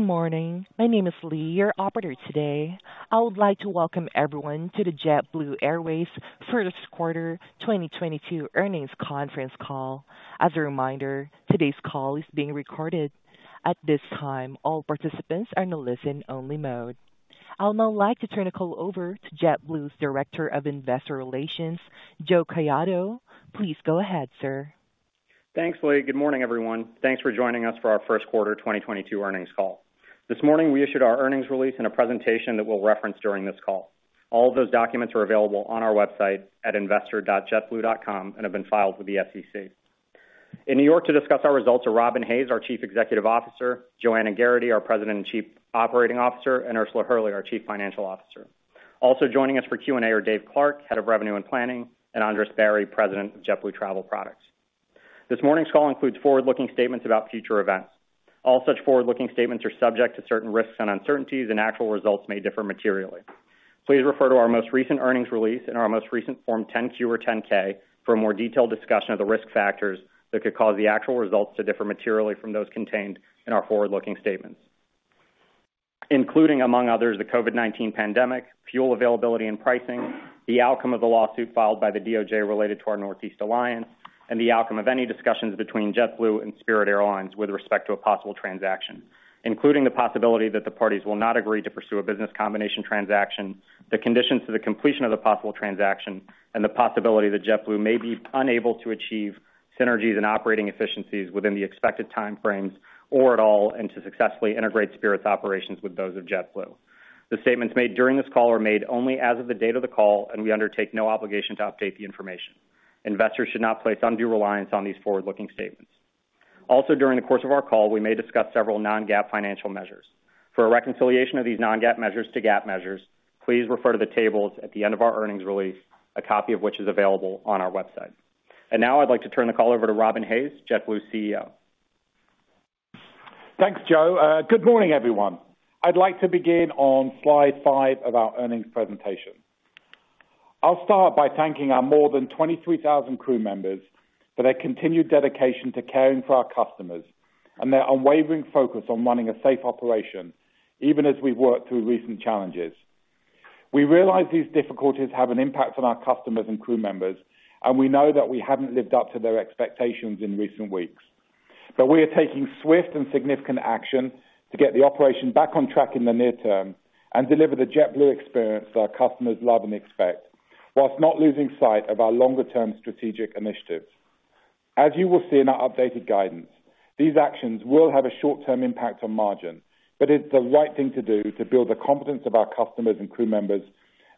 Good morning. My name is Lee, your operator today. I would like to welcome everyone to the JetBlue Airways first quarter 2022 earnings conference call. As a reminder, today's call is being recorded. At this time, all participants are in a listen-only mode. I'll now like to turn the call over to JetBlue's Director of Investor Relations, Joe Caiado. Please go ahead, sir. Thanks, Lee. Good morning, everyone. Thanks for joining us for our first quarter 2022 earnings call. This morning we issued our earnings release and a presentation that we'll reference during this call. All of those documents are available on our website at investor.jetblue.com and have been filed with the SEC. In New York to discuss our results are Robin Hayes, our Chief Executive Officer, Joanna Geraghty, our President and Chief Operating Officer, and Ursula Hurley, our Chief Financial Officer. Also joining us for Q&A are Dave Clark, Head of Revenue and Planning, and Andres Barry, President of JetBlue Travel Products. This morning's call includes forward-looking statements about future events. All such forward-looking statements are subject to certain risks and uncertainties, and actual results may differ materially. Please refer to our most recent earnings release and our most recent Form 10-Q or 10-K for a more detailed discussion of the risk factors that could cause the actual results to differ materially from those contained in our forward-looking statements, including, among others, the COVID-19 pandemic, fuel availability and pricing, the outcome of the lawsuit filed by the DOJ related to our Northeast Alliance, and the outcome of any discussions between JetBlue and Spirit Airlines with respect to a possible transaction, including the possibility that the parties will not agree to pursue a business combination transaction, the conditions to the completion of the possible transaction and the possibility that JetBlue may be unable to achieve synergies and operating efficiencies within the expected time frames or at all, and to successfully integrate Spirit's operations with those of JetBlue. The statements made during this call are made only as of the date of the call, and we undertake no obligation to update the information. Investors should not place undue reliance on these forward-looking statements. Also, during the course of our call, we may discuss several non-GAAP financial measures. For a reconciliation of these non-GAAP measures to GAAP measures, please refer to the tables at the end of our earnings release, a copy of which is available on our website. Now I'd like to turn the call over to Robin Hayes, JetBlue's CEO. Thanks, Joe. Good morning, everyone. I'd like to begin on slide five of our earnings presentation. I'll start by thanking our more than 23,000 crew members for their continued dedication to caring for our customers and their unwavering focus on running a safe operation, even as we've worked through recent challenges. We realize these difficulties have an impact on our customers and crew members, and we know that we haven't lived up to their expectations in recent weeks. We are taking swift and significant action to get the operation back on track in the near term and deliver the JetBlue experience that our customers love and expect, while not losing sight of our longer term strategic initiatives. As you will see in our updated guidance, these actions will have a short term impact on margin, but it's the right thing to do to build the confidence of our customers and crew members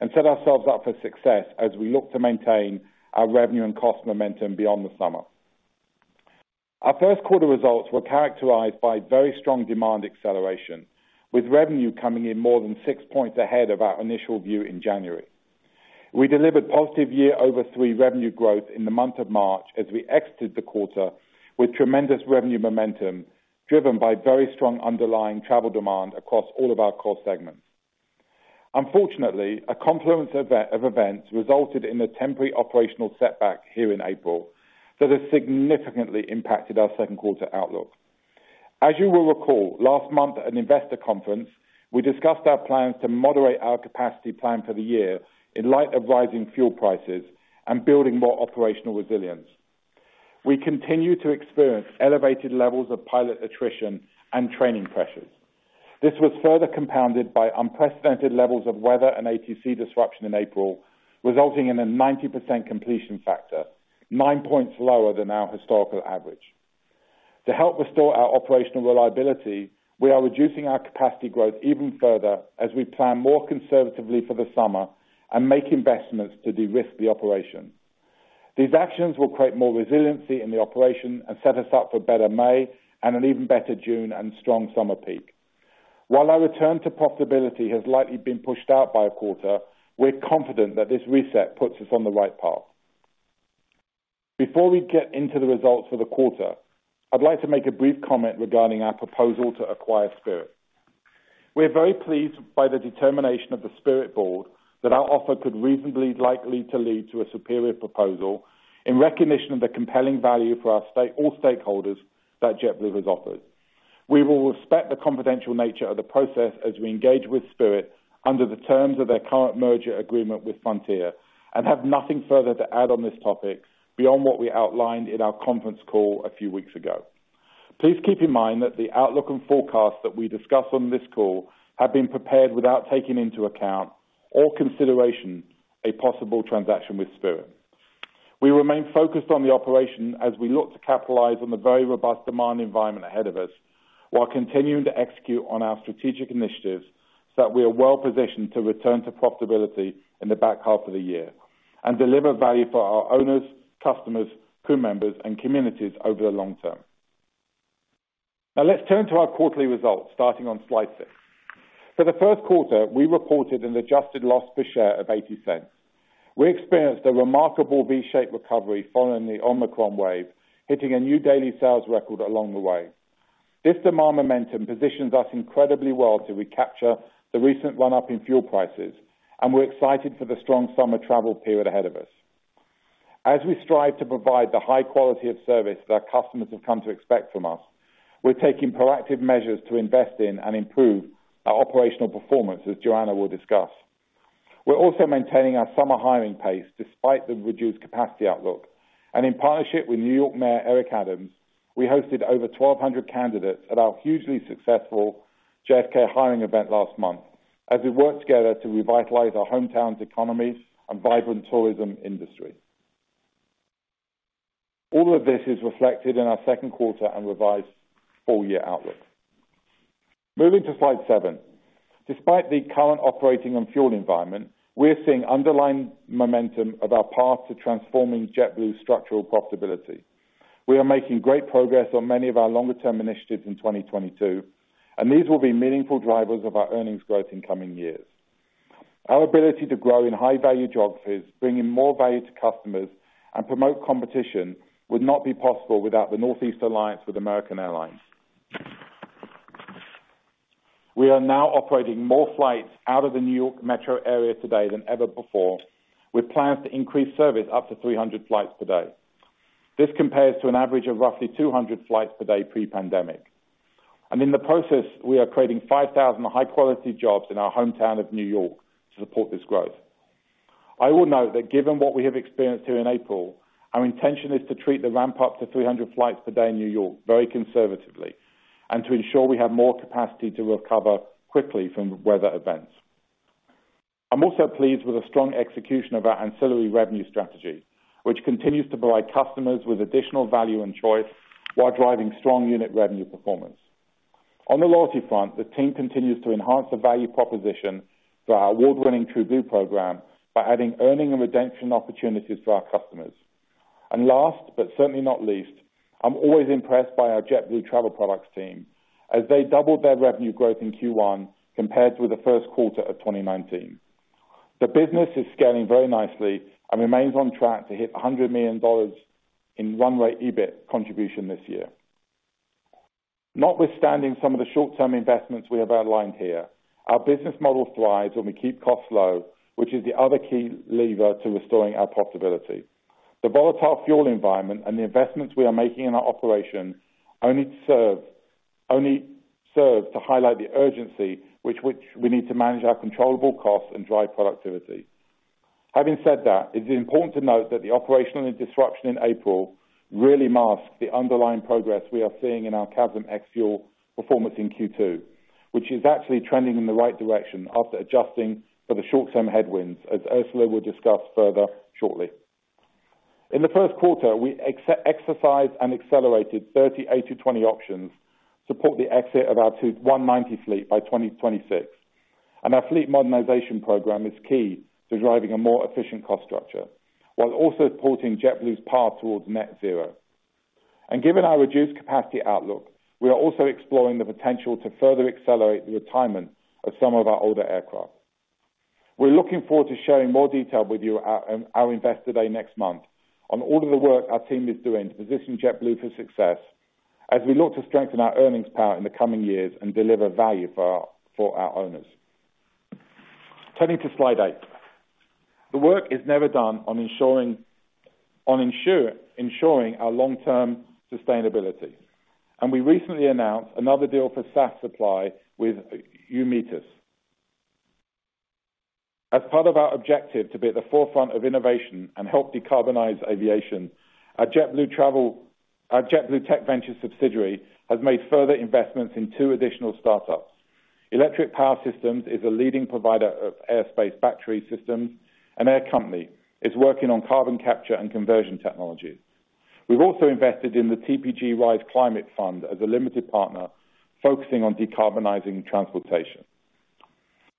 and set ourselves up for success as we look to maintain our revenue and cost momentum beyond the summer. Our first quarter results were characterized by very strong demand acceleration, with revenue coming in more than 6 points ahead of our initial view in January. We delivered positive year-over-year revenue growth in the month of March as we exited the quarter with tremendous revenue momentum, driven by very strong underlying travel demand across all of our core segments. Unfortunately, a confluence of events resulted in a temporary operational setback here in April that has significantly impacted our second quarter outlook. As you will recall, last month at an investor conference, we discussed our plans to moderate our capacity plan for the year in light of rising fuel prices and building more operational resilience. We continue to experience elevated levels of pilot attrition and training pressures. This was further compounded by unprecedented levels of weather and ATC disruption in April, resulting in a 90% completion factor, 9 points lower than our historical average. To help restore our operational reliability, we are reducing our capacity growth even further as we plan more conservatively for the summer and make investments to de-risk the operation. These actions will create more resiliency in the operation and set us up for better May and an even better June and strong summer peak. While our return to profitability has likely been pushed out by a quarter, we're confident that this reset puts us on the right path. Before we get into the results for the quarter, I'd like to make a brief comment regarding our proposal to acquire Spirit. We're very pleased by the determination of the Spirit board that our offer could reasonably likely to lead to a superior proposal in recognition of the compelling value for all stakeholders that JetBlue has offered. We will respect the confidential nature of the process as we engage with Spirit under the terms of their current merger agreement with Frontier and have nothing further to add on this topic beyond what we outlined in our conference call a few weeks ago. Please keep in mind that the outlook and forecast that we discuss on this call have been prepared without taking into account or consideration a possible transaction with Spirit. We remain focused on the operation as we look to capitalize on the very robust demand environment ahead of us, while continuing to execute on our strategic initiatives so that we are well-positioned to return to profitability in the back half of the year and deliver value for our owners, customers, crew members, and communities over the long term. Now let's turn to our quarterly results, starting on slide six. For the first quarter, we reported an adjusted loss per share of $0.80. We experienced a remarkable V-shaped recovery following the Omicron wave, hitting a new daily sales record along the way. This demand momentum positions us incredibly well to recapture the recent run-up in fuel prices, and we're excited for the strong summer travel period ahead of us. As we strive to provide the high quality of service that our customers have come to expect from us, we're taking proactive measures to invest in and improve our operational performance, as Joanna will discuss. We're also maintaining our summer hiring pace despite the reduced capacity outlook. In partnership with New York Mayor Eric Adams, we hosted over 1,200 candidates at our hugely successful JFK hiring event last month as we work together to revitalize our hometown's economies and vibrant tourism industry. All of this is reflected in our second quarter and revised full-year outlook. Moving to slide seven. Despite the current operating and fuel environment, we're seeing underlying momentum of our path to transforming JetBlue's structural profitability. We are making great progress on many of our longer-term initiatives in 2022, and these will be meaningful drivers of our earnings growth in coming years. Our ability to grow in high-value geographies, bringing more value to customers, and promote competition would not be possible without the Northeast Alliance with American Airlines. We are now operating more flights out of the New York metro area today than ever before, with plans to increase service up to 300 flights per day. This compares to an average of roughly 200 flights per day pre-pandemic. In the process, we are creating 5,000 high-quality jobs in our hometown of New York to support this growth. I will note that given what we have experienced here in April, our intention is to treat the ramp-up to 300 flights per day in New York very conservatively and to ensure we have more capacity to recover quickly from weather events. I'm also pleased with the strong execution of our ancillary revenue strategy, which continues to provide customers with additional value and choice while driving strong unit revenue performance. On the loyalty front, the team continues to enhance the value proposition for our award-winning TrueBlue program by adding earning and redemption opportunities for our customers. Last, but certainly not least, I'm always impressed by our JetBlue Travel Products team as they doubled their revenue growth in Q1 compared with the first quarter of 2019. The business is scaling very nicely and remains on track to hit $100 million in one-way EBIT contribution this year. Notwithstanding some of the short-term investments we have outlined here, our business model thrives when we keep costs low, which is the other key lever to restoring our profitability. The volatile fuel environment and the investments we are making in our operations only serves to highlight the urgency with which we need to manage our controllable costs and drive productivity. Having said that, it's important to note that the operational disruption in April really masks the underlying progress we are seeing in our CASM ex-fuel performance in Q2, which is actually trending in the right direction after adjusting for the short-term headwinds, as Ursula will discuss further shortly. In the first quarter, we exercised and accelerated 30 A220 options to support the exit of our E190 fleet by 2026, and our fleet modernization program is key to driving a more efficient cost structure while also supporting JetBlue's path towards net zero. Given our reduced capacity outlook, we are also exploring the potential to further accelerate the retirement of some of our older aircraft. We're looking forward to sharing more detail with you at our Investor Day next month on all of the work our team is doing to position JetBlue for success as we look to strengthen our earnings power in the coming years and deliver value for our owners. Turning to slide eight. The work is never done on ensuring our long-term sustainability, and we recently announced another deal for SAF supply with Neste. As part of our objective to be at the forefront of innovation and help decarbonize aviation, our JetBlue Tech Ventures subsidiary has made further investments in two additional startups. Electric Power Systems is a leading provider of aerospace battery systems, and Air Company is working on carbon capture and conversion technology. We've also invested in the TPG Rise Climate Fund as a limited partner, focusing on decarbonizing transportation.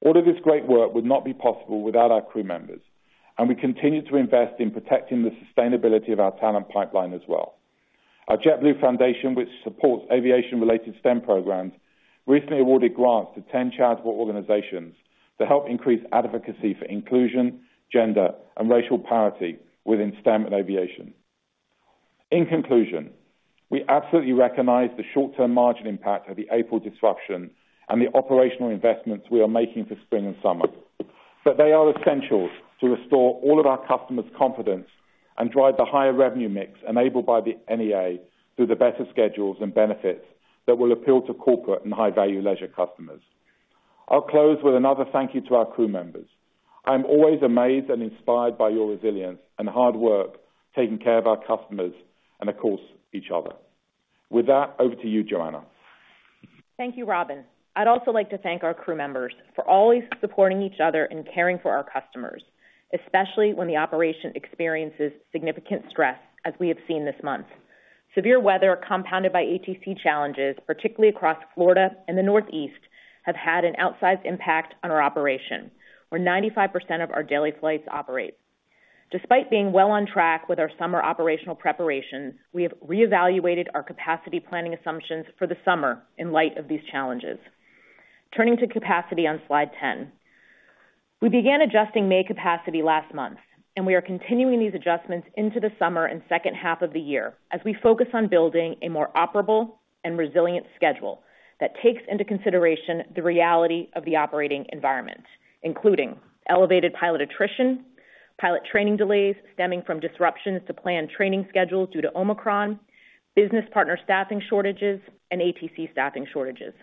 All of this great work would not be possible without our crew members, and we continue to invest in protecting the sustainability of our talent pipeline as well. Our JetBlue Foundation, which supports aviation-related STEM programs, recently awarded grants to 10 charitable organizations to help increase advocacy for inclusion, gender, and racial parity within STEM and aviation. In conclusion, we absolutely recognize the short-term margin impact of the April disruption and the operational investments we are making for spring and summer. They are essential to restore all of our customers' confidence and drive the higher revenue mix enabled by the NEA through the better schedules and benefits that will appeal to corporate and high-value leisure customers. I'll close with another thank you to our crew members. I'm always amazed and inspired by your resilience and hard work taking care of our customers and, of course, each other. With that, over to you, Joanna. Thank you, Robin. I'd also like to thank our crew members for always supporting each other and caring for our customers, especially when the operation experiences significant stress as we have seen this month. Severe weather compounded by ATC challenges, particularly across Florida and the Northeast, have had an outsized impact on our operation, where 95% of our daily flights operate. Despite being well on track with our summer operational preparations, we have reevaluated our capacity planning assumptions for the summer in light of these challenges. Turning to capacity on slide 10. We began adjusting May capacity last month, and we are continuing these adjustments into the summer and second half of the year as we focus on building a more operable and resilient schedule that takes into consideration the reality of the operating environment, including elevated pilot attrition, pilot training delays stemming from disruptions to planned training schedules due to Omicron, business partner staffing shortages, and ATC staffing shortages.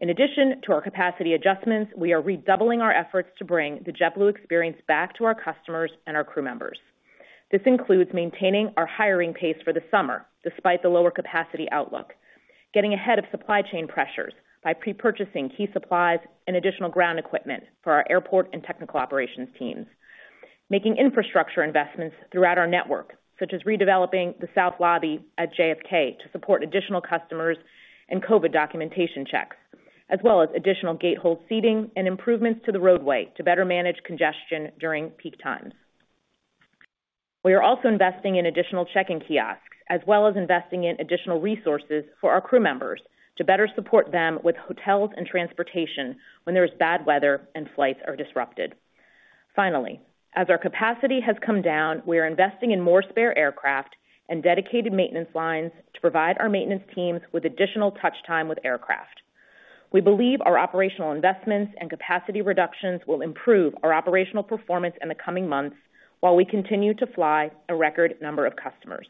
In addition to our capacity adjustments, we are redoubling our efforts to bring the JetBlue experience back to our customers and our crew members. This includes maintaining our hiring pace for the summer despite the lower capacity outlook, getting ahead of supply chain pressures by pre-purchasing key supplies and additional ground equipment for our airport and technical operations teams, making infrastructure investments throughout our network, such as redeveloping the south lobby at JFK to support additional customers and COVID documentation checks, as well as additional gate hold seating and improvements to the roadway to better manage congestion during peak times. We are also investing in additional check-in kiosks, as well as investing in additional resources for our crew members to better support them with hotels and transportation when there is bad weather and flights are disrupted. Finally, as our capacity has come down, we are investing in more spare aircraft and dedicated maintenance lines to provide our maintenance teams with additional touch time with aircraft. We believe our operational investments and capacity reductions will improve our operational performance in the coming months while we continue to fly a record number of customers.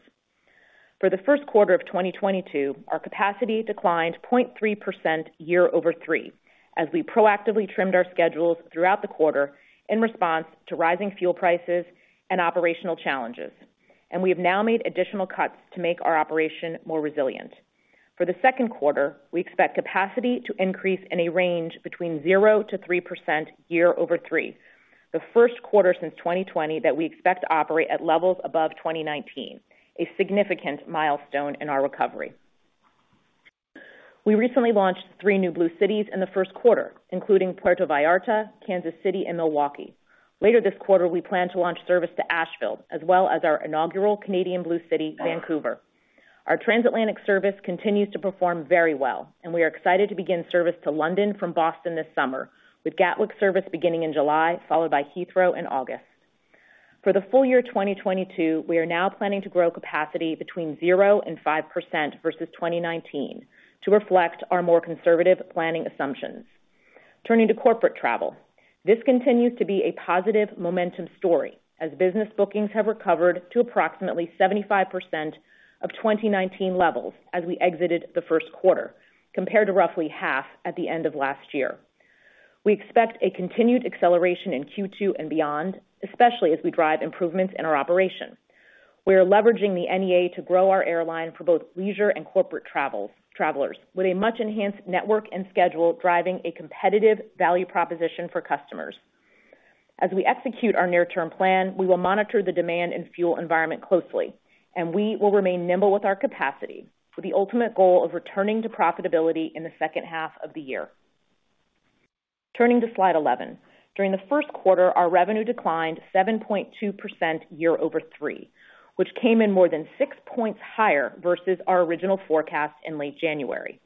For the first quarter of 2022, our capacity declined 0.3% year-over-year as we proactively trimmed our schedules throughout the quarter in response to rising fuel prices and operational challenges, and we have now made additional cuts to make our operation more resilient. For the second quarter, we expect capacity to increase in a range between 0%-3% year-over-year, the first quarter since 2020 that we expect to operate at levels above 2019, a significant milestone in our recovery. We recently launched three new Blue cities in the first quarter, including Puerto Vallarta, Kansas City, and Milwaukee. Later this quarter, we plan to launch service to Asheville, as well as our inaugural Canadian Blue city, Vancouver. Our transatlantic service continues to perform very well, and we are excited to begin service to London from Boston this summer, with Gatwick service beginning in July, followed by Heathrow in August. For the full year 2022, we are now planning to grow capacity between 0% and 5% versus 2019 to reflect our more conservative planning assumptions. Turning to corporate travel, this continues to be a positive momentum story as business bookings have recovered to approximately 75% of 2019 levels as we exited the first quarter, compared to roughly half at the end of last year. We expect a continued acceleration in Q2 and beyond, especially as we drive improvements in our operation. We are leveraging the NEA to grow our airline for both leisure and corporate travelers with a much enhanced network and schedule, driving a competitive value proposition for customers. As we execute our near-term plan, we will monitor the demand and fuel environment closely, and we will remain nimble with our capacity with the ultimate goal of returning to profitability in the second half of the year. Turning to slide 11. During the first quarter, our revenue declined 7.2% year-over-year, which came in more than 6 points higher versus our original forecast in late January.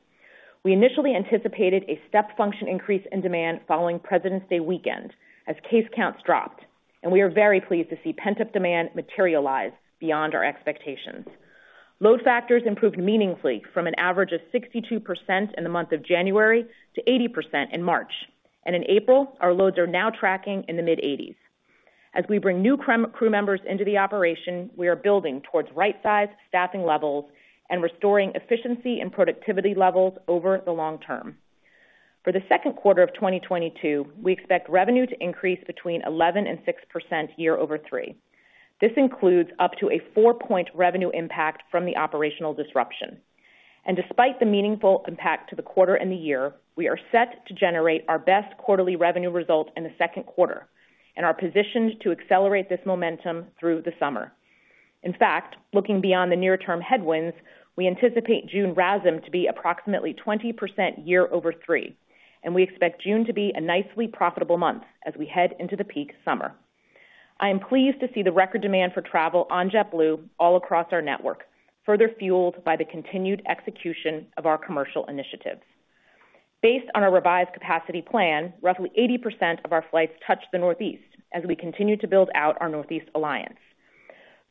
We initially anticipated a step function increase in demand following President's Day weekend as case counts dropped, and we are very pleased to see pent-up demand materialize beyond our expectations. Load factors improved meaningfully from an average of 62% in the month of January to 80% in March. In April, our loads are now tracking in the mid-80s. As we bring new crew members into the operation, we are building towards right-sized staffing levels and restoring efficiency and productivity levels over the long term. For the second quarter of 2022, we expect revenue to increase between 11% and 16% year-over-year. This includes up to a 4-point revenue impact from the operational disruption. Despite the meaningful impact to the quarter and the year, we are set to generate our best quarterly revenue result in the second quarter and are positioned to accelerate this momentum through the summer. In fact, looking beyond the near-term headwinds, we anticipate June RASM to be approximately 20% year-over-year, and we expect June to be a nicely profitable month as we head into the peak summer. I am pleased to see the record demand for travel on JetBlue all across our network, further fueled by the continued execution of our commercial initiatives. Based on our revised capacity plan, roughly 80% of our flights touch the Northeast as we continue to build out our Northeast Alliance.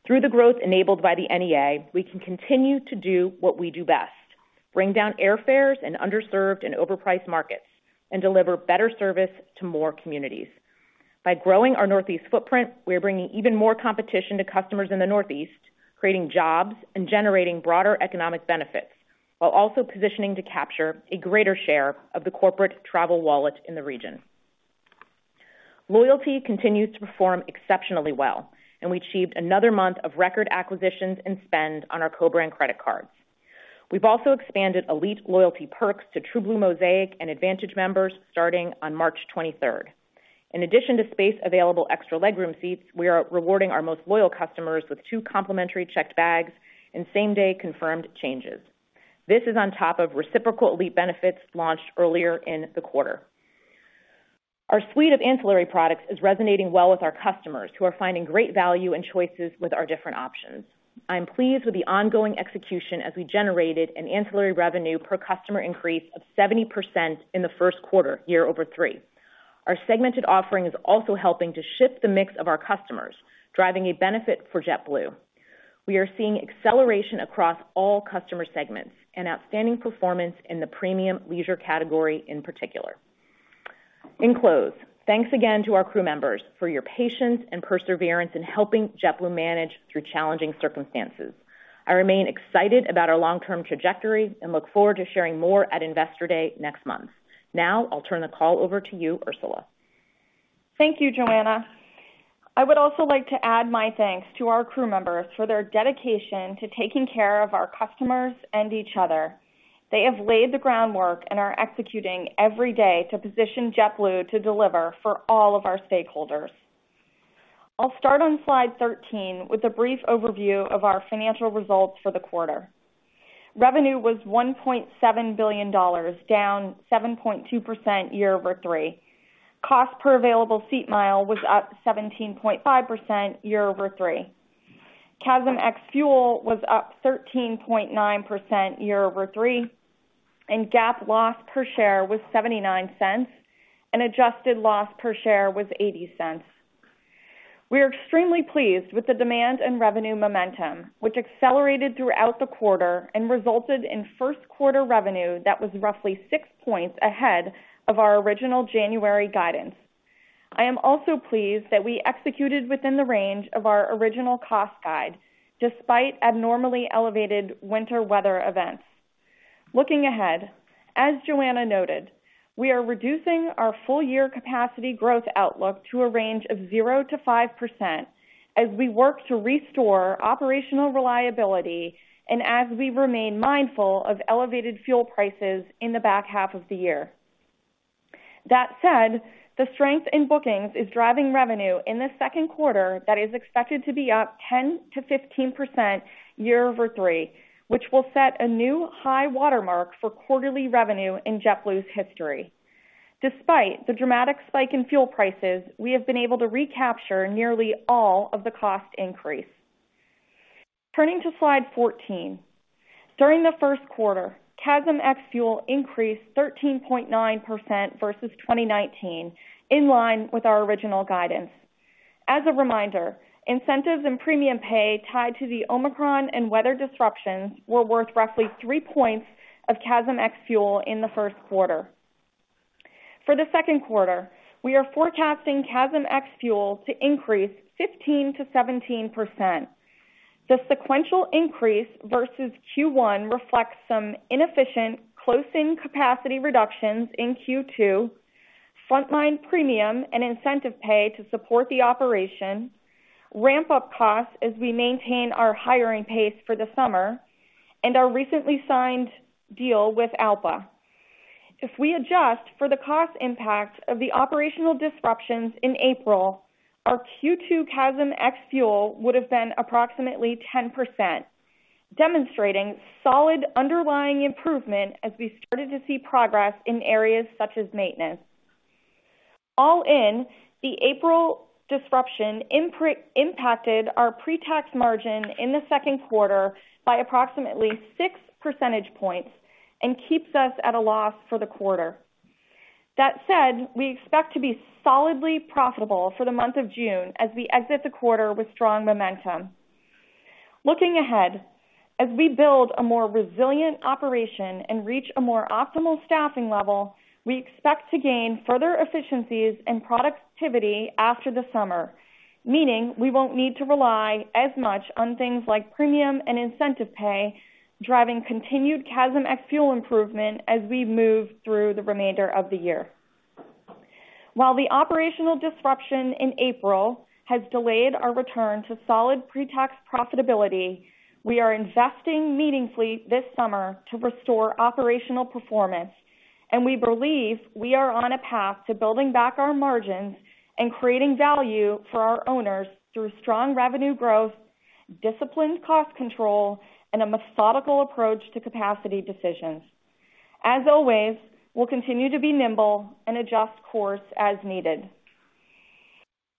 Through the growth enabled by the NEA, we can continue to do what we do best, bring down airfares in underserved and overpriced markets and deliver better service to more communities. By growing our Northeast footprint, we are bringing even more competition to customers in the Northeast, creating jobs and generating broader economic benefits, while also positioning to capture a greater share of the corporate travel wallet in the region. Loyalty continues to perform exceptionally well, and we achieved another month of record acquisitions and spend on our co-brand credit cards. We've also expanded Elite loyalty perks to TrueBlue Mosaic and Advantage members starting on March 23. In addition to space available extra legroom seats, we are rewarding our most loyal customers with two complimentary checked bags and same-day confirmed changes. This is on top of reciprocal Elite benefits launched earlier in the quarter. Our suite of ancillary products is resonating well with our customers, who are finding great value and choices with our different options. I am pleased with the ongoing execution as we generated an ancillary revenue per customer increase of 70% in the first quarter year-over-year. Our segmented offering is also helping to shift the mix of our customers, driving a benefit for JetBlue. We are seeing acceleration across all customer segments and outstanding performance in the premium leisure category in particular. In closing, thanks again to our crew members for your patience and perseverance in helping JetBlue manage through challenging circumstances. I remain excited about our long-term trajectory and look forward to sharing more at Investor Day next month. Now I'll turn the call over to you, Ursula. Thank you, Joanna. I would also like to add my thanks to our crew members for their dedication to taking care of our customers and each other. They have laid the groundwork and are executing every day to position JetBlue to deliver for all of our stakeholders. I'll start on slide 13 with a brief overview of our financial results for the quarter. Revenue was $1.7 billion, down 7.2% year-over-year. Cost per available seat mile was up 17.5% year-over-year. CASM ex-fuel was up 13.9% year-over-year, and GAAP loss per share was $0.79, and adjusted loss per share was $0.80. We are extremely pleased with the demand and revenue momentum, which accelerated throughout the quarter and resulted in first quarter revenue that was roughly 6 points ahead of our original January guidance. I am also pleased that we executed within the range of our original cost guide despite abnormally elevated winter weather events. Looking ahead, as Joanna noted, we are reducing our full-year capacity growth outlook to a range of 0%-5% as we work to restore operational reliability and as we remain mindful of elevated fuel prices in the back half of the year. That said, the strength in bookings is driving revenue in the second quarter that is expected to be up 10%-15% year-over-year, which will set a new high watermark for quarterly revenue in JetBlue's history. Despite the dramatic spike in fuel prices, we have been able to recapture nearly all of the cost increase. Turning to slide 14. During the first quarter, CASM ex-fuel increased 13.9% versus 2019, in line with our original guidance. As a reminder, incentives and premium pay tied to the Omicron and weather disruptions were worth roughly 3 points of CASM ex-fuel in the first quarter. For the second quarter, we are forecasting CASM ex-fuel to increase 15%-17%. The sequential increase versus Q1 reflects some inefficient closing capacity reductions in Q2, frontline premium and incentive pay to support the operation, ramp-up costs as we maintain our hiring pace for the summer, and our recently signed deal with ALPA. If we adjust for the cost impact of the operational disruptions in April, our Q2 CASM ex-fuel would have been approximately 10%, demonstrating solid underlying improvement as we started to see progress in areas such as maintenance. All in, the April disruption impacted our pre-tax margin in the second quarter by approximately 6 percentage points and keeps us at a loss for the quarter. That said, we expect to be solidly profitable for the month of June as we exit the quarter with strong momentum. Looking ahead, as we build a more resilient operation and reach a more optimal staffing level, we expect to gain further efficiencies and productivity after the summer, meaning we won't need to rely as much on things like premium and incentive pay, driving continued CASM ex-fuel improvement as we move through the remainder of the year. While the operational disruption in April has delayed our return to solid pre-tax profitability, we are investing meaningfully this summer to restore operational performance, and we believe we are on a path to building back our margins and creating value for our owners through strong revenue growth, disciplined cost control, and a methodical approach to capacity decisions. As always, we'll continue to be nimble and adjust course as needed.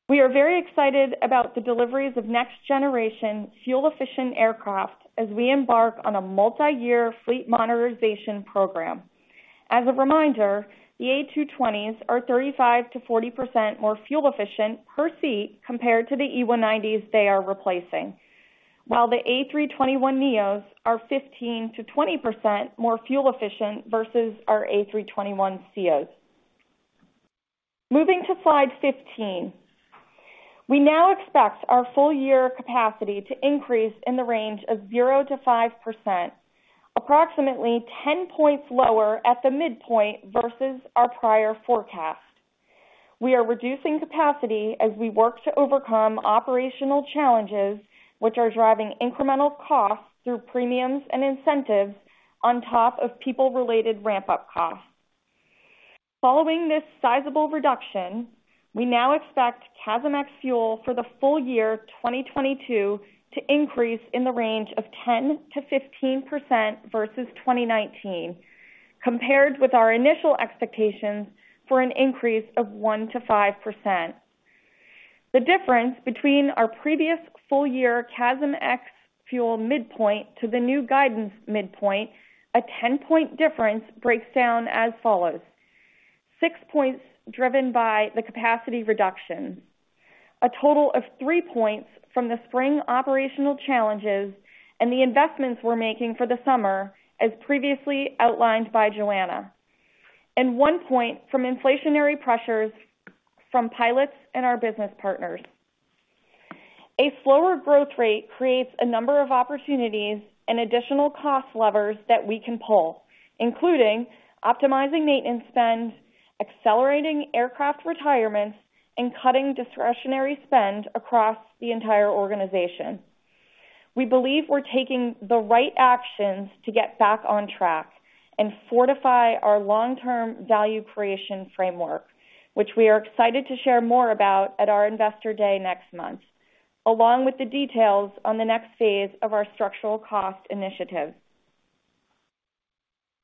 We are very excited about the deliveries of next-generation fuel-efficient aircraft as we embark on a multi-year fleet modernization program. As a reminder, the A220s are 35%-40% more fuel efficient per seat compared to the E190s they are replacing, while the A321neos are 15%-20% more fuel efficient versus our A321ceos. Moving to slide 15. We now expect our full-year capacity to increase in the range of 0%-5%, approximately 10 points lower at the midpoint versus our prior forecast. We are reducing capacity as we work to overcome operational challenges which are driving incremental costs through premiums and incentives on top of people-related ramp-up costs. Following this sizable reduction, we now expect CASM ex-fuel for the full year 2022 to increase in the range of 10%-15% versus 2019, compared with our initial expectations for an increase of 1%-5%. The difference between our previous full-year CASM ex fuel midpoint to the new guidance midpoint, a 10-point difference, breaks down as follows. 6 points driven by the capacity reduction, a total of 3 points from the spring operational challenges and the investments we're making for the summer, as previously outlined by Joanna, and1 point from inflationary pressures from pilots and our business partners. A slower growth rate creates a number of opportunities and additional cost levers that we can pull, including optimizing maintenance spend, accelerating aircraft retirements, and cutting discretionary spend across the entire organization. We believe we're taking the right actions to get back on track and fortify our long-term value creation framework, which we are excited to share more about at our Investor Day next month, along with the details on the next phase of our structural cost initiative.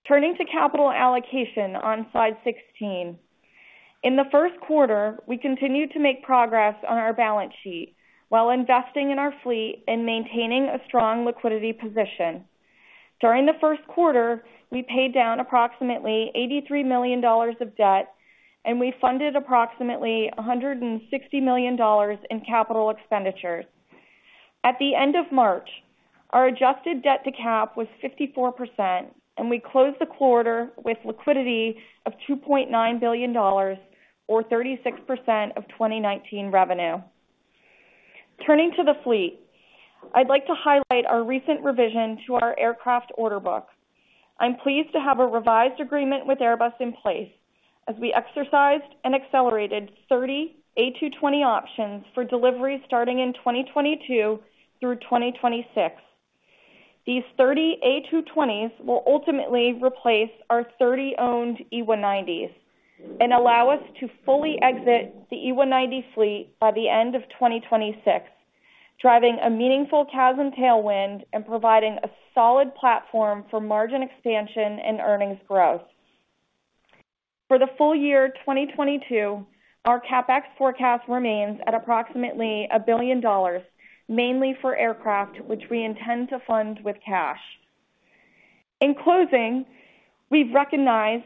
Turning to capital allocation on slide 16. In the first quarter, we continued to make progress on our balance sheet while investing in our fleet and maintaining a strong liquidity position. During the first quarter, we paid down approximately $83 million of debt, and we funded approximately $160 million in capital expenditures. At the end of March, our adjusted debt to cap was 54%, and we closed the quarter with liquidity of $2.9 billion, or 36% of 2019 revenue. Turning to the fleet, I'd like to highlight our recent revision to our aircraft order book. I'm pleased to have a revised agreement with Airbus in place as we exercised and accelerated 30 A220 options for delivery starting in 2022 through 2026. These 30 A220s will ultimately replace our 30 owned E190s and allow us to fully exit the E190 fleet by the end of 2026, driving a meaningful CASM tailwind and providing a solid platform for margin expansion and earnings growth. For the full year 2022, our CapEx forecast remains at approximately $1 billion, mainly for aircraft, which we intend to fund with cash. In closing, we've recognized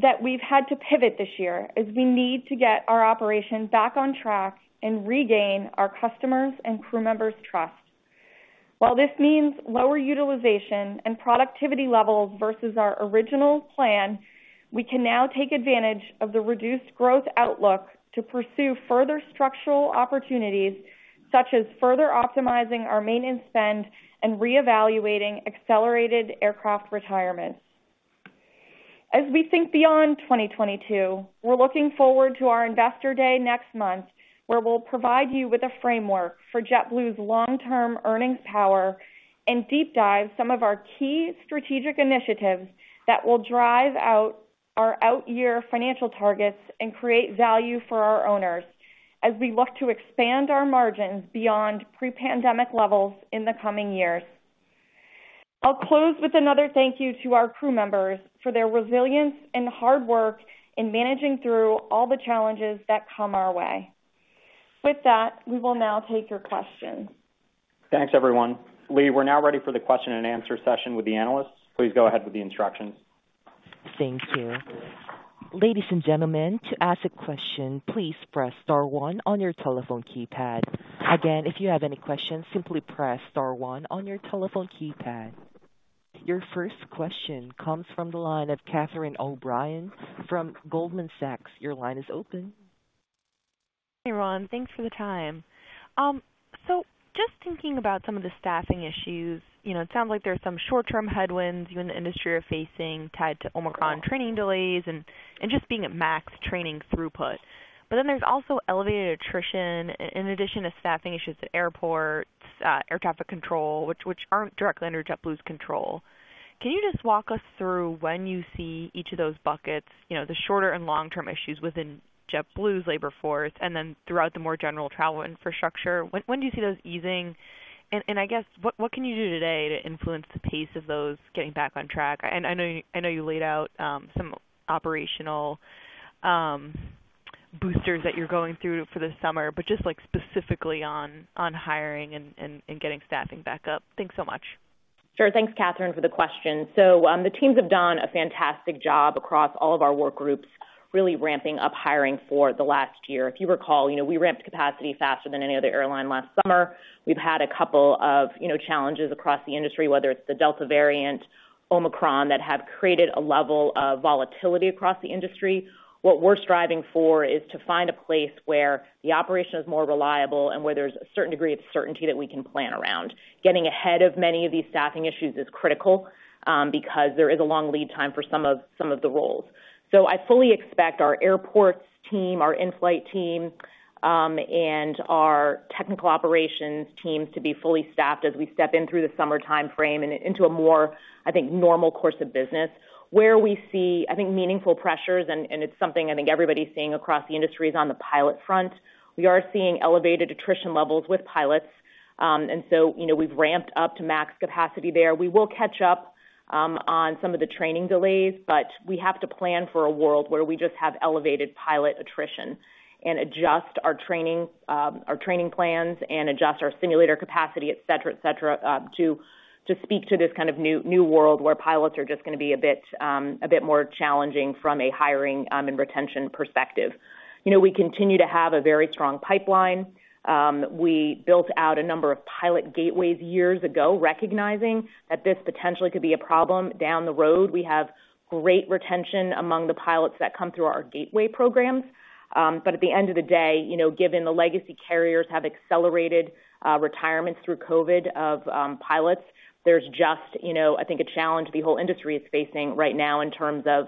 that we've had to pivot this year as we need to get our operation back on track and regain our customers' and crew members' trust. While this means lower utilization and productivity levels versus our original plan, we can now take advantage of the reduced growth outlook to pursue further structural opportunities, such as further optimizing our maintenance spend and reevaluating accelerated aircraft retirements. As we think beyond 2022, we're looking forward to our Investor Day next month, where we'll provide you with a framework for JetBlue's long-term earnings power and deep dive some of our key strategic initiatives that will drive out our out-year financial targets and create value for our owners as we look to expand our margins beyond pre-pandemic levels in the coming years. I'll close with another thank you to our crew members for their resilience and hard work in managing through all the challenges that come our way. With that, we will now take your questions. Thanks, everyone. Lee, we're now ready for the question and answer session with the analysts. Please go ahead with the instructions. Thank you. Ladies and gentlemen, to ask a question, please press star one on your telephone keypad. Again, if you have any questions, simply press star one on your telephone keypad. Your first question comes from the line of Catherine O'Brien from Goldman Sachs. Your line is open. Hey, Robin. Thanks for the time. Just thinking about some of the staffing issues, you know, it sounds like there's some short-term headwinds you and the industry are facing tied to Omicron training delays and just being at max training throughput. But then there's also elevated attrition in addition to staffing issues at airports, air traffic control, which aren't directly under JetBlue's control. Can you just walk us through when you see each of those buckets, the shorter and long-term issues within JetBlue's labor force and then throughout the more general travel infrastructure? When do you see those easing? I guess what can you do today to influence the pace of those getting back on track? I know you laid out some operational boosters that you're going through for the summer, but just like specifically on hiring and getting staffing back up. Thanks so much. Sure. Thanks, Catherine, for the question. The teams have done a fantastic job across all of our work groups, really ramping up hiring for the last year. If you recall, you know, we ramped capacity faster than any other airline last summer. We've had a couple of, you know, challenges across the industry, whether it's the Delta variant, Omicron, that have created a level of volatility across the industry. What we're striving for is to find a place where the operation is more reliable and where there's a certain degree of certainty that we can plan around. Getting ahead of many of these staffing issues is critical because there is a long lead time for some of the roles. I fully expect our airports team, our in-flight team, and our technical operations teams to be fully staffed as we step in through the summer timeframe and into a more, I think, normal course of business. Where we see, I think, meaningful pressures, and it's something I think everybody's seeing across the industry, is on the pilot front. We are seeing elevated attrition levels with pilots. You know, we've ramped up to max capacity there. We will catch up on some of the training delays, but we have to plan for a world where we just have elevated pilot attrition and adjust our training, our training plans and adjust our simulator capacity, et cetera, et cetera, to speak to this kind of new world where pilots are just gonna be a bit more challenging from a hiring and retention perspective. You know, we continue to have a very strong pipeline. We built out a number of pilot gateways years ago recognizing that this potentially could be a problem down the road. We have great retention among the pilots that come through our gateway programs. At the end of the day, you know, given the legacy carriers have accelerated retirements through COVID of pilots, there's just, you know, I think a challenge the whole industry is facing right now in terms of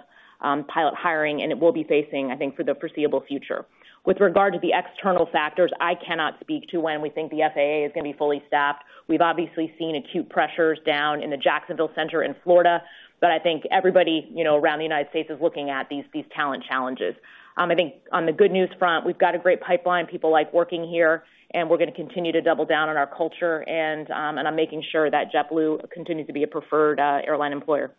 pilot hiring, and it will be facing, I think, for the foreseeable future. With regard to the external factors, I cannot speak to when we think the FAA is gonna be fully staffed. We've obviously seen acute pressures down in the Jacksonville Center in Florida, but I think everybody, you know, around the United States is looking at these talent challenges. I think on the good news front, we've got a great pipeline. People like working here, and we're gonna continue to double down on our culture and on making sure that JetBlue continues to be a preferred airline employer.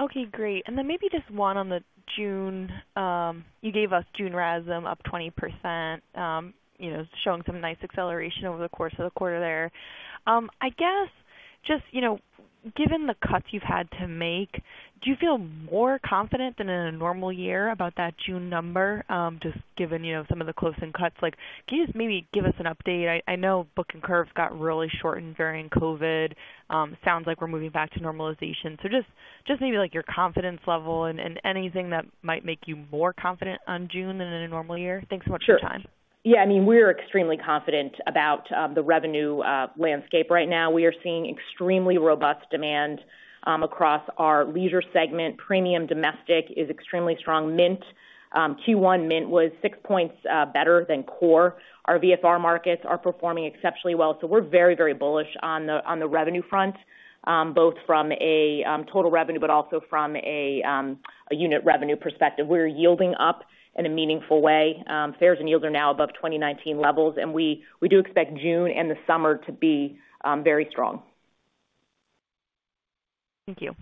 Okay, great. Then maybe just one on the June. You gave us June RASM up 20%, you know, showing some nice acceleration over the course of the quarter there. I guess just, you know, given the cuts you've had to make, do you feel more confident than in a normal year about that June number, just given, you know, some of the close-in cuts? Like, can you just maybe give us an update? I know booking curves got really short during COVID. Sounds like we're moving back to normalization. Just maybe like your confidence level and anything that might make you more confident on June than in a normal year. Thanks so much for your time. Sure. Yeah, I mean, we're extremely confident about the revenue landscape right now. We are seeing extremely robust demand across our leisure segment. Premium domestic is extremely strong. Mint Q1 Mint was 6 points better than core. Our VFR markets are performing exceptionally well. We're very, very bullish on the revenue front both from a total revenue, but also from a unit revenue perspective. We're yielding up in a meaningful way. Fares and yields are now above 2019 levels, and we do expect June and the summer to be very strong. Thank you.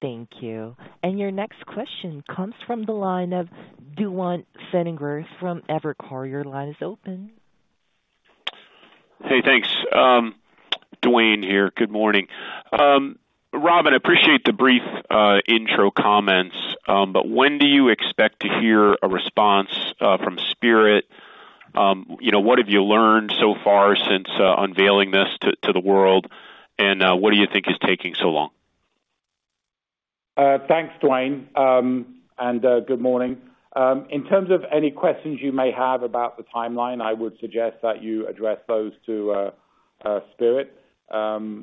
Thank you. Your next question comes from the line of Duane Pfennigwerth from Evercore. Your line is open. Hey, thanks. Duane here. Good morning. Robin, appreciate the brief intro comments, but when do you expect to hear a response from Spirit? You know, what have you learned so far since unveiling this to the world? What do you think is taking so long? Thanks, Duane, and good morning. In terms of any questions you may have about the timeline, I would suggest that you address those to Spirit. You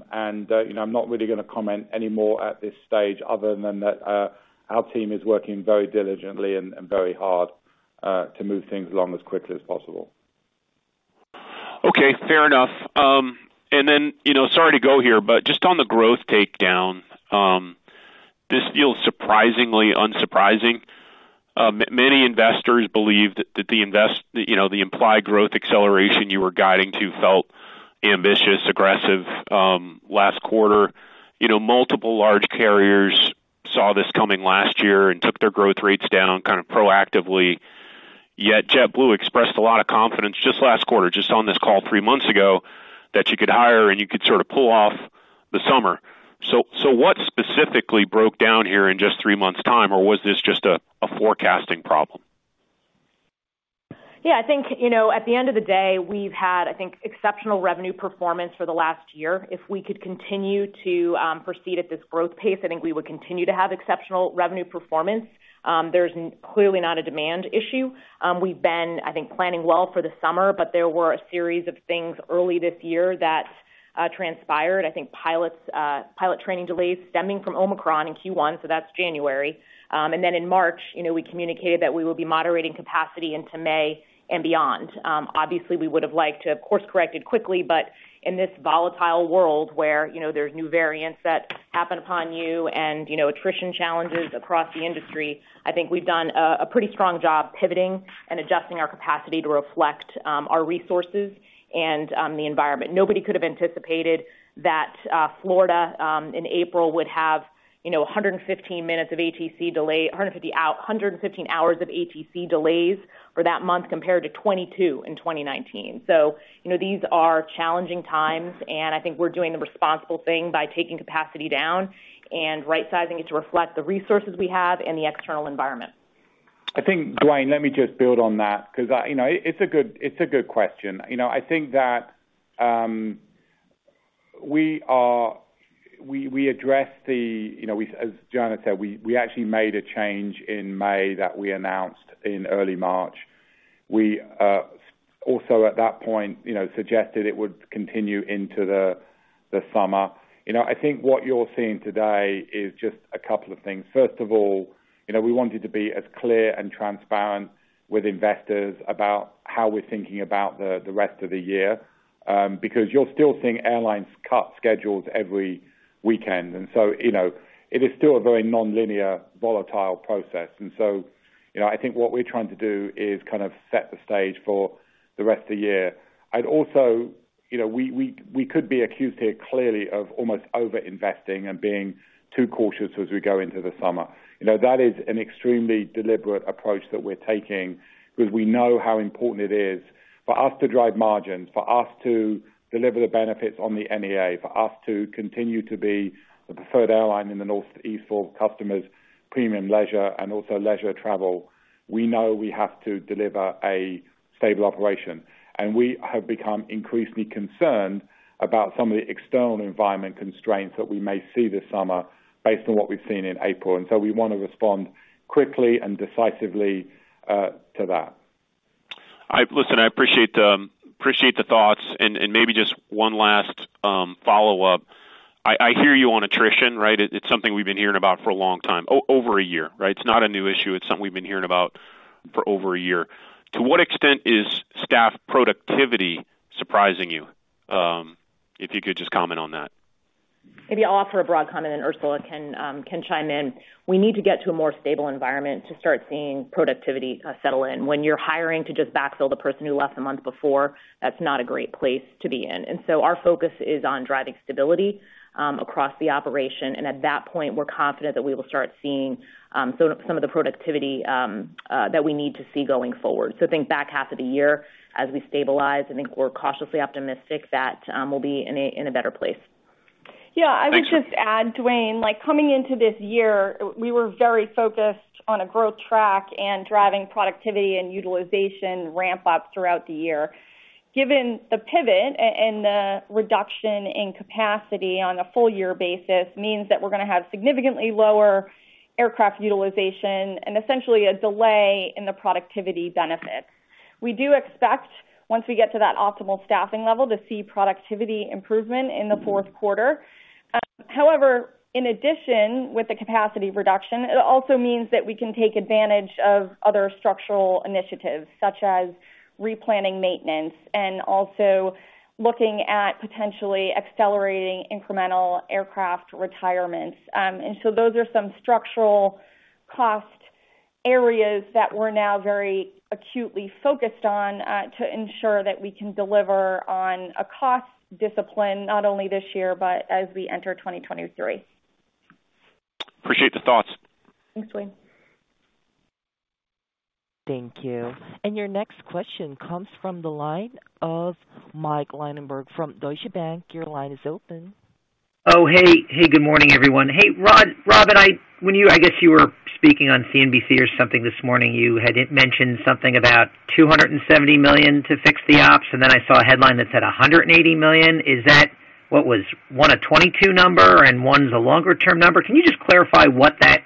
know, I'm not really gonna comment any more at this stage other than that, our team is working very diligently and very hard to move things along as quickly as possible. Okay. Fair enough. Then, you know, sorry to go here, but just on the growth takedown, this feels surprisingly unsurprising. Many investors believe that the implied growth acceleration you were guiding to felt ambitious, aggressive, last quarter. You know, multiple large carriers saw this coming last year and took their growth rates down kind of proactively. Yet JetBlue expressed a lot of confidence just last quarter, just on this call three months ago, that you could hire and you could sort of pull off the summer. What specifically broke down here in just three months' time, or was this just a forecasting problem? Yeah, I think, you know, at the end of the day, we've had, I think, exceptional revenue performance for the last year. If we could continue to proceed at this growth pace, I think we would continue to have exceptional revenue performance. There's clearly not a demand issue. We've been, I think, planning well for the summer, but there were a series of things early this year that transpired. I think pilot training delays stemming from Omicron in Q1, so that's January. And then in March, you know, we communicated that we will be moderating capacity into May and beyond. Obviously we would have liked to have course-corrected quickly, but in this volatile world where, you know, there's new variants that happen upon you and, you know, attrition challenges across the industry, I think we've done a pretty strong job pivoting and adjusting our capacity to reflect our resources and the environment. Nobody could have anticipated that Florida in April would have, you know, 115 hours of ATC delays for that month compared to 22 in 2019. These are challenging times, and I think we're doing the responsible thing by taking capacity down and right-sizing it to reflect the resources we have and the external environment. I think, Duane, let me just build on that because, you know, it's a good question. You know, I think that, as Joanna said, we actually made a change in May that we announced in early March. We also at that point, you know, suggested it would continue into the summer. You know, I think what you're seeing today is just a couple of things. First of all, you know, we wanted to be as clear and transparent with investors about how we're thinking about the rest of the year. Because you're still seeing airlines cut schedules every weekend. You know, it is still a very nonlinear volatile process. You know, I think what we're trying to do is kind of set the stage for the rest of the year. You know, we could be accused here clearly of almost over-investing and being too cautious as we go into the summer. You know, that is an extremely deliberate approach that we're taking because we know how important it is for us to drive margins, for us to deliver the benefits on the NEA, for us to continue to be the preferred airline in the Northeast for customers premium leisure and also leisure travel. We know we have to deliver a stable operation, and we have become increasingly concerned about some of the external environment constraints that we may see this summer based on what we've seen in April. We wanna respond quickly and decisively to that. Listen, I appreciate the thoughts and maybe just one last follow-up. I hear you on attrition, right? It's something we've been hearing about for a long time. Over a year, right? It's something we've been hearing about for over a year. To what extent is staff productivity surprising you? If you could just comment on that. Maybe I'll offer a broad comment, and Ursula can chime in. We need to get to a more stable environment to start seeing productivity settle in. When you're hiring to just backfill the person who left a month before, that's not a great place to be in. Our focus is on driving stability across the operation. At that point, we're confident that we will start seeing some of the productivity that we need to see going forward. I think back half of the year as we stabilize, I think we're cautiously optimistic that we'll be in a better place. Thank you. Yeah. I would just add, Duane, like, coming into this year, we were very focused on a growth track and driving productivity and utilization ramp up throughout the year. Given the pivot and the reduction in capacity on a full year basis means that we're gonna have significantly lower aircraft utilization and essentially a delay in the productivity benefits. We do expect, once we get to that optimal staffing level, to see productivity improvement in the fourth quarter. However, in addition, with the capacity reduction, it also means that we can take advantage of other structural initiatives such as replanning maintenance and also looking at potentially accelerating incremental aircraft retirements. Those are some structural cost areas that we're now very acutely focused on, to ensure that we can deliver on a cost discipline not only this year, but as we enter 2023. Appreciate the thoughts. Thanks, Duane. Thank you. Your next question comes from the line of Mike Linenberg from Deutsche Bank. Your line is open. Oh, hey. Hey, good morning, everyone. Hey, Rob, I guess you were speaking on CNBC or something this morning. You had mentioned something about $270 million to fix the ops, and then I saw a headline that said $180 million. Is that what was a 2022 number and one's a longer term number? Can you just clarify what that,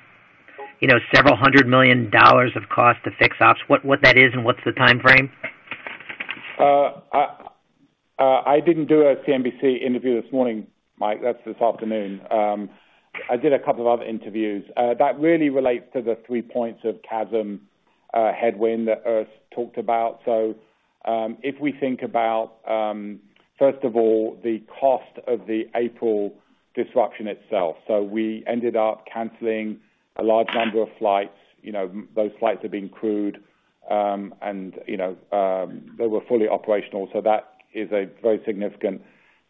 you know, several hundred million dollars of cost to fix ops is and what's the timeframe? I didn't do a CNBC interview this morning, Mike. That's this afternoon. I did a couple of other interviews. That really relates to the 3 points of CASM headwind that Ursula talked about. If we think about, first of all, the cost of the April disruption itself. We ended up canceling a large number of flights. You know, those flights are being crewed, and, you know, they were fully operational. That is a very significant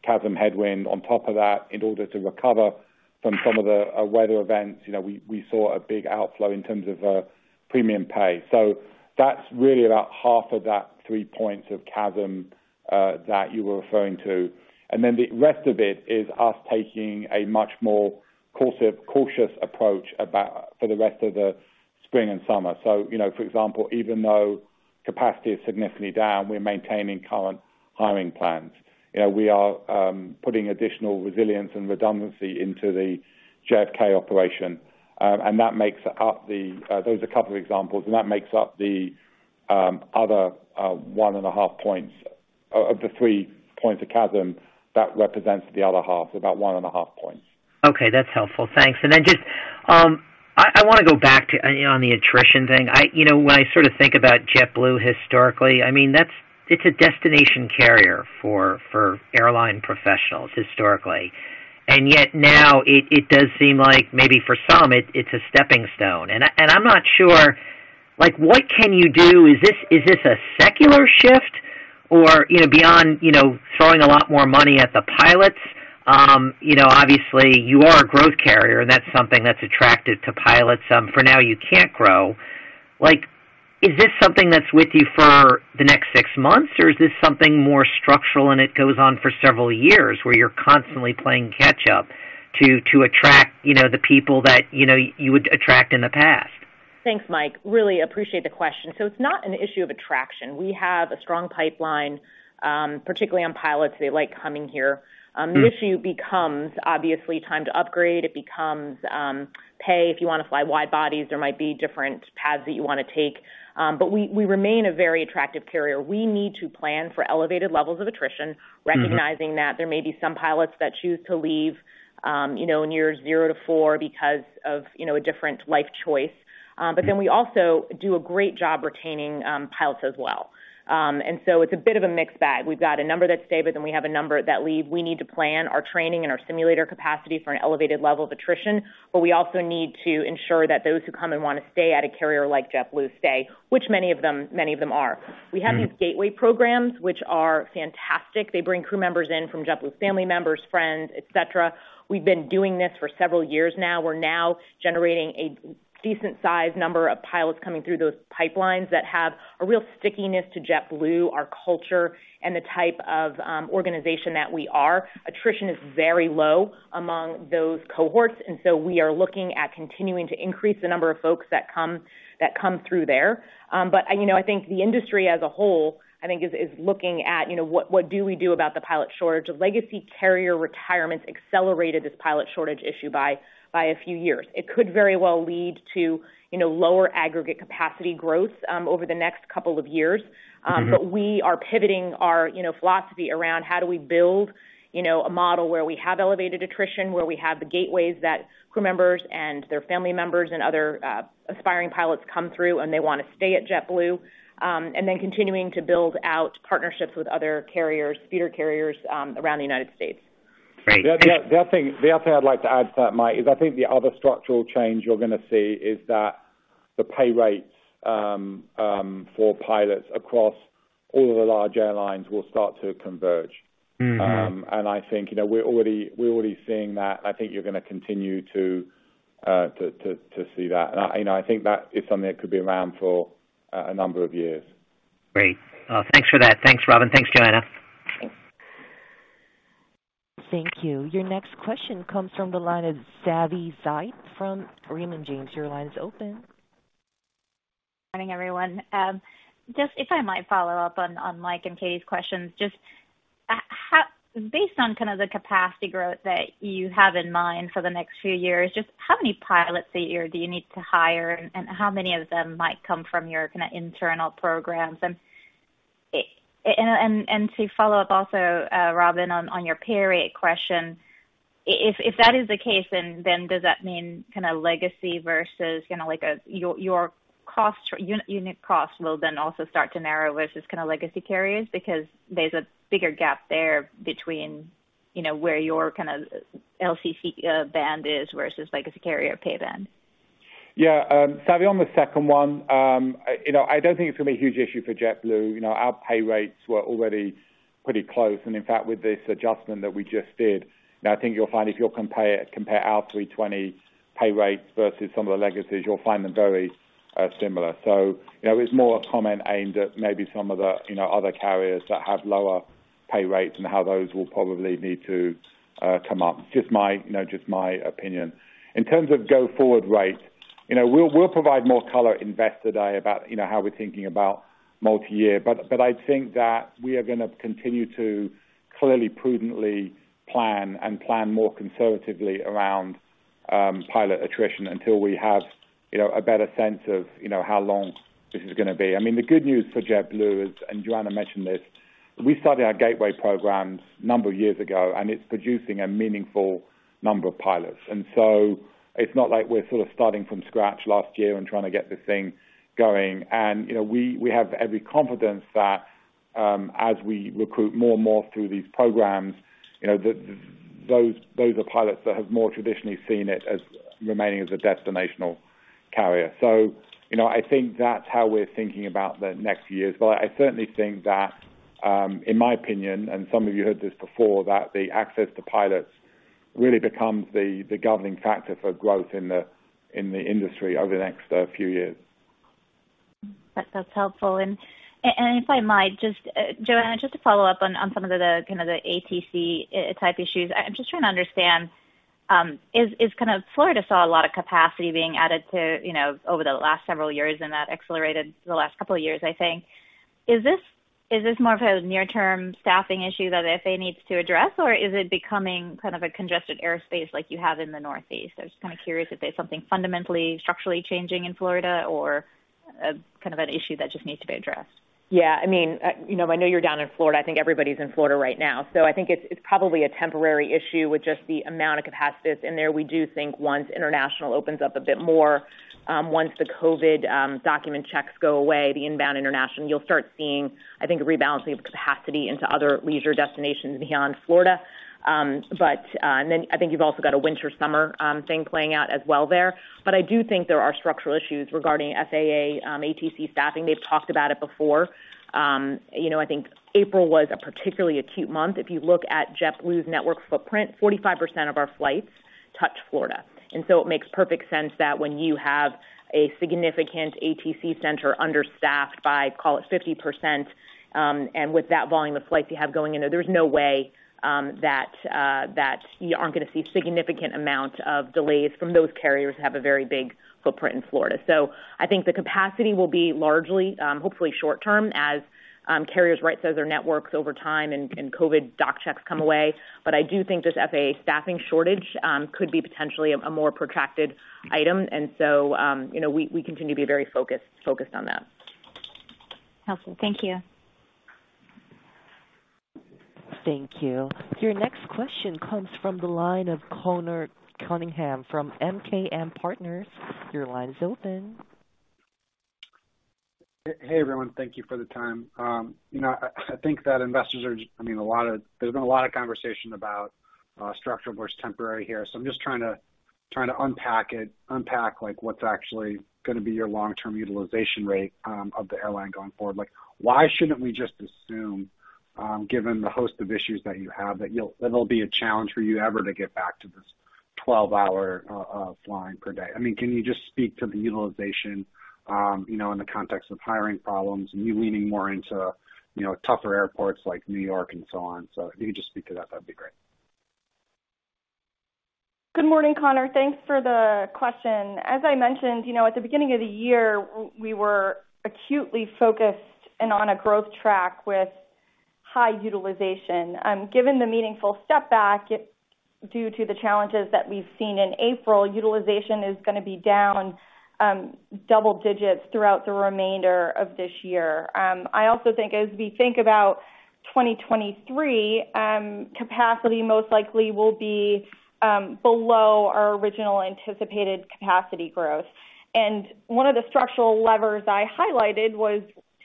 CASM headwind. On top of that, in order to recover from some of the weather events, you know, we saw a big outflow in terms of premium pay. That's really about half of that 3 points of CASM that you were referring to. The rest of it is us taking a much more cautious approach about for the rest of the spring and summer. You know, for example, even though capacity is significantly down, we're maintaining current hiring plans. You know, we are putting additional resilience and redundancy into the JFK operation. Those are a couple of examples, and that makes up the other 1.5 points of the 3 points of CASM that represents the other half, about 1.5 points. Okay. That's helpful. Thanks. Just, I wanna go back to, you know, on the attrition thing. You know, when I sort of think about JetBlue historically, I mean, that's it a destination carrier for airline professionals historically. Yet now it does seem like maybe for some it's a stepping stone. I'm not sure, like, what can you do? Is this a secular shift or, you know, beyond, you know, throwing a lot more money at the pilots? You know, obviously you are a growth carrier, and that's something that's attractive to pilots. For now, you can't grow. Like, is this something that's with you for the next six months, or is this something more structural and it goes on for several years where you're constantly playing catch up to attract, you know, the people that, you know, you would attract in the past? Thanks, Mike. Really appreciate the question. It's not an issue of attraction. We have a strong pipeline, particularly on pilots. They like coming here. The issue becomes obviously time to upgrade. It becomes pay. If you want to fly wide bodies, there might be different paths that you want to take. We remain a very attractive carrier. We need to plan for elevated levels of attrition. Mm-hmm. Recognizing that there may be some pilots that choose to leavin in, you know, years zero to four because of, you know, a different life choice. We also do a great job retaining pilots as well. It's a bit of a mixed bag. We've got a number that stay with us, and we have a number that leave. We need to plan our training and our simulator capacity for an elevated level of attrition, but we also need to ensure that those who come and want to stay at a carrier like JetBlue stay, which many of them are. Mm-hmm. We have these gateway programs which are fantastic. They bring crew members in from JetBlue family members, friends, et cetera. We've been doing this for several years now. We're now generating a decent size number of pilots coming through those pipelines that have a real stickiness to JetBlue, our culture, and the type of organization that we are. Attrition is very low among those cohorts, and so we are looking at continuing to increase the number of folks that come through there. You know, I think the industry as a whole, I think is looking at, you know, what do we do about the pilot shortage? Legacy carrier retirements accelerated this pilot shortage issue by a few years. It could very well lead to, you know, lower aggregate capacity growth over the next couple of years. Mm-hmm. we are pivoting our, you know, philosophy around how do we build, you know, a model where we have elevated attrition, where we have the gateways that crew members and their family members and other aspiring pilots come through and they want to stay at JetBlue, and then continuing to build out partnerships with other carriers, feeder carriers, around the United States. Great. The other thing I'd like to add to that, Mike, is I think the other structural change you're gonna see is that the pay rates for pilots across all of the large airlines will start to converge. Mm-hmm. I think, you know, we're already seeing that. I think you're gonna continue to see that. You know, I think that is something that could be around for a number of years. Great. Thanks for that. Thanks, Robin. Thanks, Joanna. Thanks. Thank you. Your next question comes from the line of Savi Syth from Raymond James. Your line is open. Morning, everyone. Just if I might follow up on Mike and Katie's questions, based on kind of the capacity growth that you have in mind for the next few years, just how many pilots a year do you need to hire, and how many of them might come from your kinda internal programs? To follow up also, Robin, on your pay rate question, if that is the case, then does that mean kinda legacy versus kinda like your cost unit cost will then also start to narrow versus kinda legacy carriers because there's a bigger gap there between, you know, where your kinda LCC band is versus legacy carrier pay band? Savi, on the second one, you know, I don't think it's gonna be a huge issue for JetBlue. You know, our pay rates were already pretty close. In fact, with this adjustment that we just did, you know, I think you'll find if you compare our 320 pay rates versus some of the legacy carriers, you'll find them very similar. You know, it's more a comment aimed at maybe some of the other carriers that have lower pay rates and how those will probably need to come up. Just my opinion. In terms of go-forward rate, you know, we'll provide more color at Investor Day about how we're thinking about multi-year. I think that we are gonna continue to clearly prudently plan more conservatively around pilot attrition until we have a better sense of how long this is gonna be. I mean, the good news for JetBlue is, and Joanna mentioned this, we started our gateway programs a number of years ago, and it's producing a meaningful number of pilots. It's not like we're sort of starting from scratch last year and trying to get this thing going. We have every confidence that as we recruit more and more through these programs, those are pilots that have more traditionally seen it as remaining as a destination carrier. I think that's how we're thinking about the next years. I certainly think that, in my opinion, and some of you heard this before, that the access to pilots really becomes the governing factor for growth in the industry over the next few years. That's helpful. If I might just, Joanna, just to follow up on some of the kind of ATC-type issues. I'm just trying to understand Florida saw a lot of capacity being added to, you know, over the last several years, and that accelerated the last couple of years, I think. Is this more of a near-term staffing issue that the FAA needs to address, or is it becoming kind of a congested airspace like you have in the Northeast? I was just kinda curious if there's something fundamentally structurally changing in Florida or kind of an issue that just needs to be addressed. Yeah, I mean, you know, I know you're down in Florida. I think everybody's in Florida right now. I think it's probably a temporary issue with just the amount of capacity that's in there. We do think once international opens up a bit more, once the COVID, document checks go away, the inbound international, you'll start seeing, I think, a rebalancing of capacity into other leisure destinations beyond Florida. But, and then I think you've also got a winter summer, thing playing out as well there. I do think there are structural issues regarding FAA, ATC staffing. They've talked about it before. You know, I think April was a particularly acute month. If you look at JetBlue's network footprint, 45% of our flights touch Florida. It makes perfect sense that when you have a significant ATC center understaffed by, call it 50%, and with that volume of flights you have going in there's no way that you aren't gonna see a significant amount of delays from those carriers that have a very big footprint in Florida. I think the capacity will be largely, hopefully short term as carriers right-size their networks over time and COVID aftershocks come away. I do think this FAA staffing shortage could be potentially a more protracted item. You know, we continue to be very focused on that. Helpful. Thank you. Thank you. Your next question comes from the line of Conor Cunningham from MKM Partners. Your line is open. Hey everyone. Thank you for the time. You know, I think that investors are just, I mean, there's been a lot of conversation about structural versus temporary here, so I'm just trying to unpack it like what's actually gonna be your long-term utilization rate of the airline going forward. Like, why shouldn't we just assume, given the host of issues that you have, that it'll be a challenge for you ever to get back to this 12-hour flying per day? I mean, can you just speak to the utilization, you know, in the context of hiring problems and you leaning more into, you know, tougher airports like New York and so on? If you could just speak to that'd be great. Good morning, Conor. Thanks for the question. As I mentioned, you know, at the beginning of the year, we were acutely focused and on a growth track with high utilization. Given the meaningful step back, due to the challenges that we've seen in April, utilization is gonna be down double digits throughout the remainder of this year. I also think as we think about 2023, capacity most likely will be below our original anticipated capacity growth. One of the structural levers I highlighted was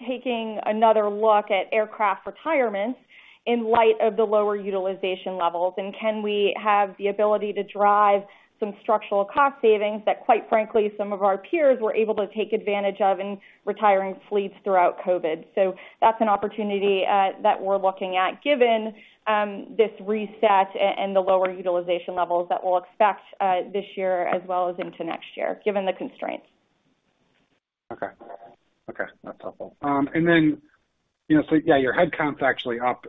taking another look at aircraft retirements in light of the lower utilization levels. Can we have the ability to drive some structural cost savings that quite frankly some of our peers were able to take advantage of in retiring fleets throughout COVID? That's an opportunity that we're looking at given this reset and the lower utilization levels that we'll expect this year as well as into next year, given the constraints. Okay. Okay. That's helpful. And then, you know, so yeah, your headcount's actually up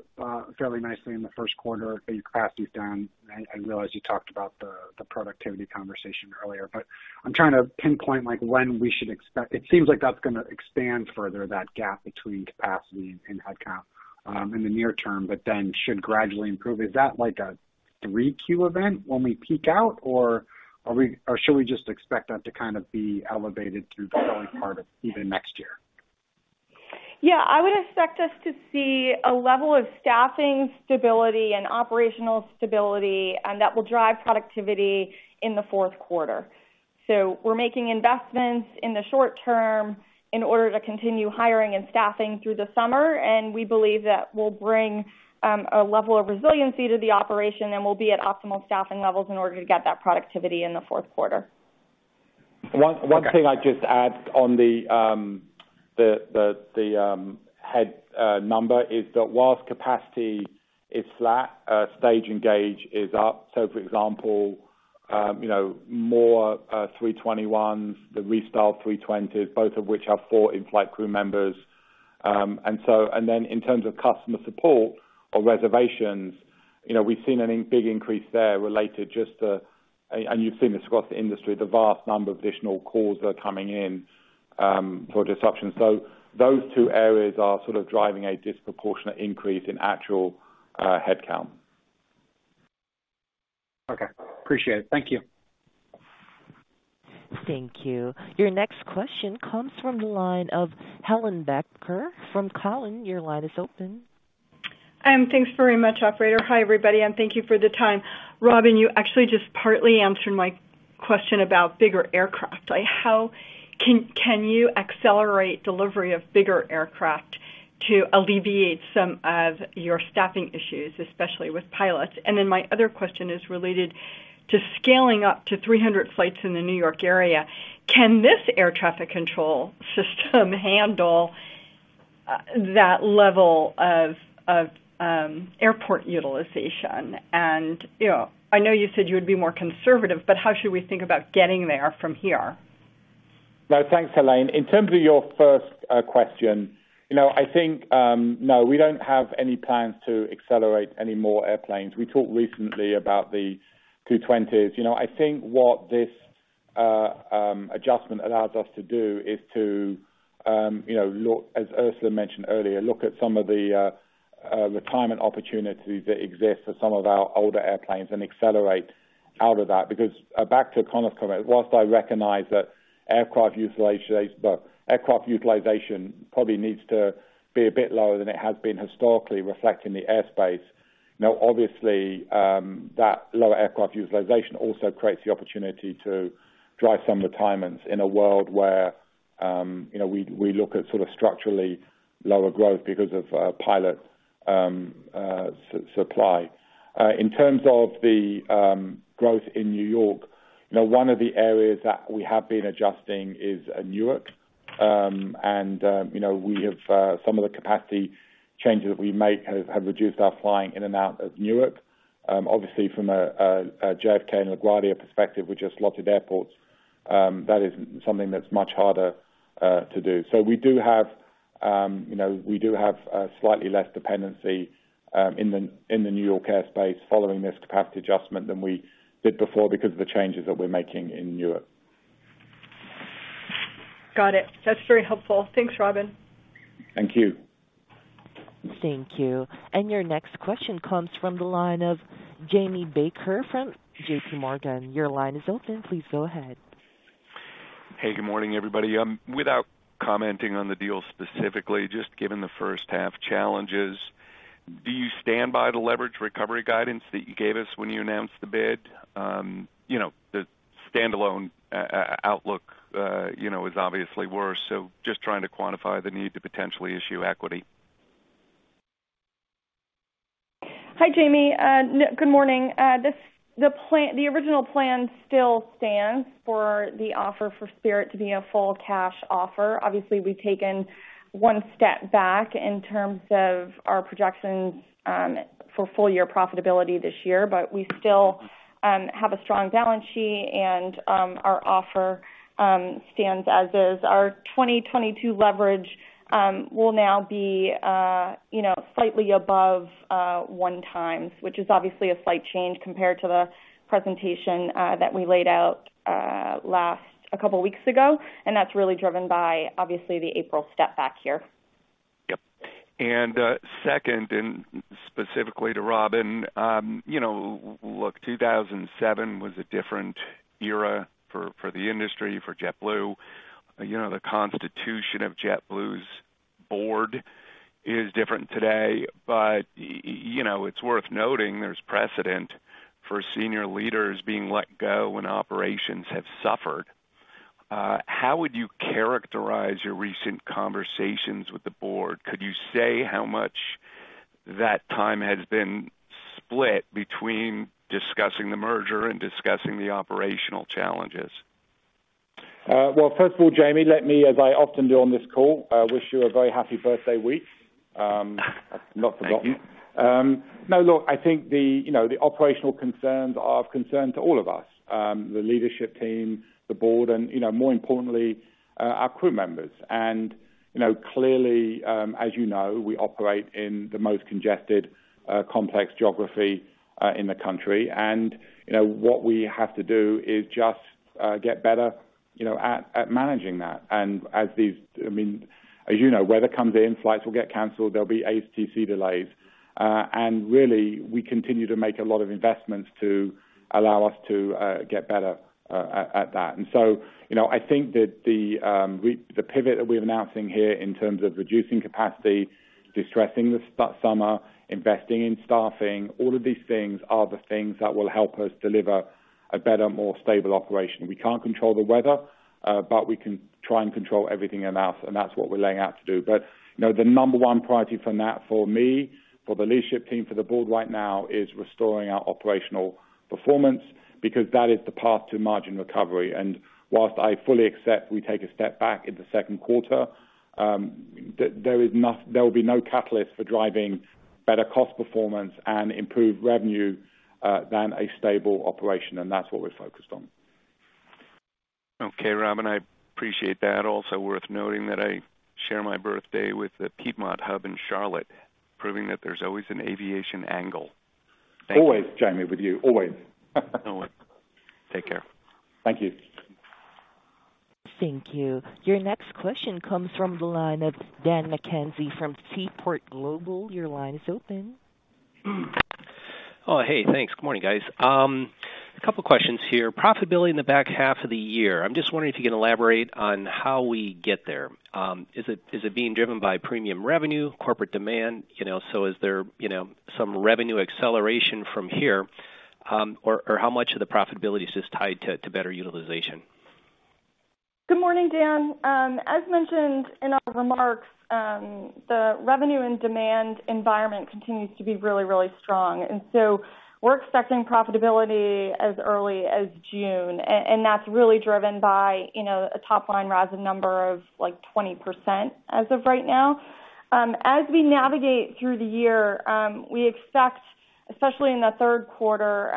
fairly nicely in the first quarter, but your capacity is down. I realize you talked about the productivity conversation earlier, but I'm trying to pinpoint like when we should expect. It seems like that's gonna expand further, that gap between capacity and headcount in the near term, but then should gradually improve. Is that like a 3Q event when we peak out, or should we just expect that to kind of be elevated through the early part of even next year? Yeah. I would expect us to see a level of staffing stability and operational stability, and that will drive productivity in the fourth quarter. We're making investments in the short term in order to continue hiring and staffing through the summer, and we believe that will bring a level of resiliency to the operation and we'll be at optimal staffing levels in order to get that productivity in the fourth quarter. One thing I'd just add on the headcount number is that while capacity is flat, stage length and gauge is up. For example, you know, more A321s, the restyled A320s, both of which have four in-flight crew members. In terms of customer support or reservations, you know, we've seen a big increase there related just to, and you've seen this across the industry, the vast number of additional calls that are coming in for disruption. Those two areas are sort of driving a disproportionate increase in actual headcount. Okay. Appreciate it. Thank you. Thank you. Your next question comes from the line of Helane Becker from Cowen. Your line is open. Thanks very much, operator. Hi, everybody, and thank you for the time. Robin, you actually just partly answered my question about bigger aircraft. Like, how can you accelerate delivery of bigger aircraft to alleviate some of your staffing issues, especially with pilots? And then my other question is related to scaling up to 300 flights in the New York area. Can this air traffic control system handle that level of airport utilization? And, you know, I know you said you would be more conservative, but how should we think about getting there from here? No. Thanks, Helane. In terms of your first question, you know, I think no, we don't have any plans to accelerate any more airplanes. We talked recently about the A220s. You know, I think what this adjustment allows us to do is to you know, look, as Ursula mentioned earlier, look at some of the retirement opportunities that exist for some of our older airplanes and accelerate out of that. Because back to Conor's comment, while I recognize that aircraft utilization probably needs to be a bit lower than it has been historically reflecting the airspace, you know, obviously, that lower aircraft utilization also creates the opportunity to drive some retirements in a world where you know, we look at sort of structurally lower growth because of pilot supply. In terms of the growth in New York, you know, one of the areas that we have been adjusting is Newark. You know, we have some of the capacity changes we make have reduced our flying in and out of Newark. Obviously from a JFK and LaGuardia perspective, which are slotted airports, that is something that's much harder to do. We do have slightly less dependency in the New York airspace following this capacity adjustment than we did before because of the changes that we're making in Newark. Got it. That's very helpful. Thanks, Robin. Thank you. Thank you. Your next question comes from the line of Jamie Baker from JPMorgan. Your line is open. Please go ahead. Hey, good morning, everybody. Without commenting on the deal specifically, just given the first half challenges, do you stand by the leverage recovery guidance that you gave us when you announced the bid? You know, the standalone outlook, you know, is obviously worse. Just trying to quantify the need to potentially issue equity. Hi, Jamie. Good morning. The original plan still stands for the offer for Spirit to be a full cash offer. Obviously, we've taken one step back in terms of our projections for full year profitability this year, but we still have a strong balance sheet, and our offer stands as is. Our 2022 leverage will now be, you know, slightly above 1x, which is obviously a slight change compared to the presentation that we laid out a couple weeks ago. That's really driven by, obviously, the April step back here. Second, specifically to Robin, 2007 was a different era for the industry, for JetBlue. The constitution of JetBlue's board is different today. It's worth noting there's precedent for senior leaders being let go when operations have suffered. How would you characterize your recent conversations with the board? Could you say how much that time has been split between discussing the merger and discussing the operational challenges? Well, first of all, Jamie, let me, as I often do on this call, wish you a very happy birthday week, not forgotten. Thank you. No, look, I think, you know, the operational concerns are of concern to all of us, the leadership team, the board, and, you know, more importantly, our crew members. You know, clearly, as you know, we operate in the most congested, complex geography in the country. You know, what we have to do is just get better, you know, at managing that. I mean, as you know, weather comes in, flights will get canceled, there'll be ATC delays. Really, we continue to make a lot of investments to allow us to get better at that. You know, I think that the pivot that we're announcing here in terms of reducing capacity, distressing the summer, investing in staffing, all of these things are the things that will help us deliver a better, more stable operation. We can't control the weather, but we can try and control everything else, and that's what we're laying out to do. You know, the number one priority from that for me, for the leadership team, for the board right now is restoring our operational performance because that is the path to margin recovery. While I fully accept we take a step back in the second quarter, there will be no catalyst for driving better cost performance and improved revenue than a stable operation, and that's what we're focused on. Okay, Robin, I appreciate that. Also worth noting that I share my birthday with the Piedmont hub in Charlotte, proving that there's always an aviation angle. Thank you. Always, Jamie, with you. Always. Always. Take care. Thank you. Thank you. Your next question comes from the line of Dan McKenzie from Seaport Global. Your line is open. Oh, hey. Thanks. Good morning, guys. A couple of questions here. Profitability in the back half of the year. I'm just wondering if you can elaborate on how we get there. Is it being driven by premium revenue, corporate demand? You know, is there some revenue acceleration from here, or how much of the profitability is just tied to better utilization? Good morning, Dan. As mentioned in our remarks, the revenue and demand environment continues to be really, really strong. We're expecting profitability as early as June, and that's really driven by, you know, a top-line rise in number of, like, 20% as of right now. As we navigate through the year, we expect, especially in the third quarter,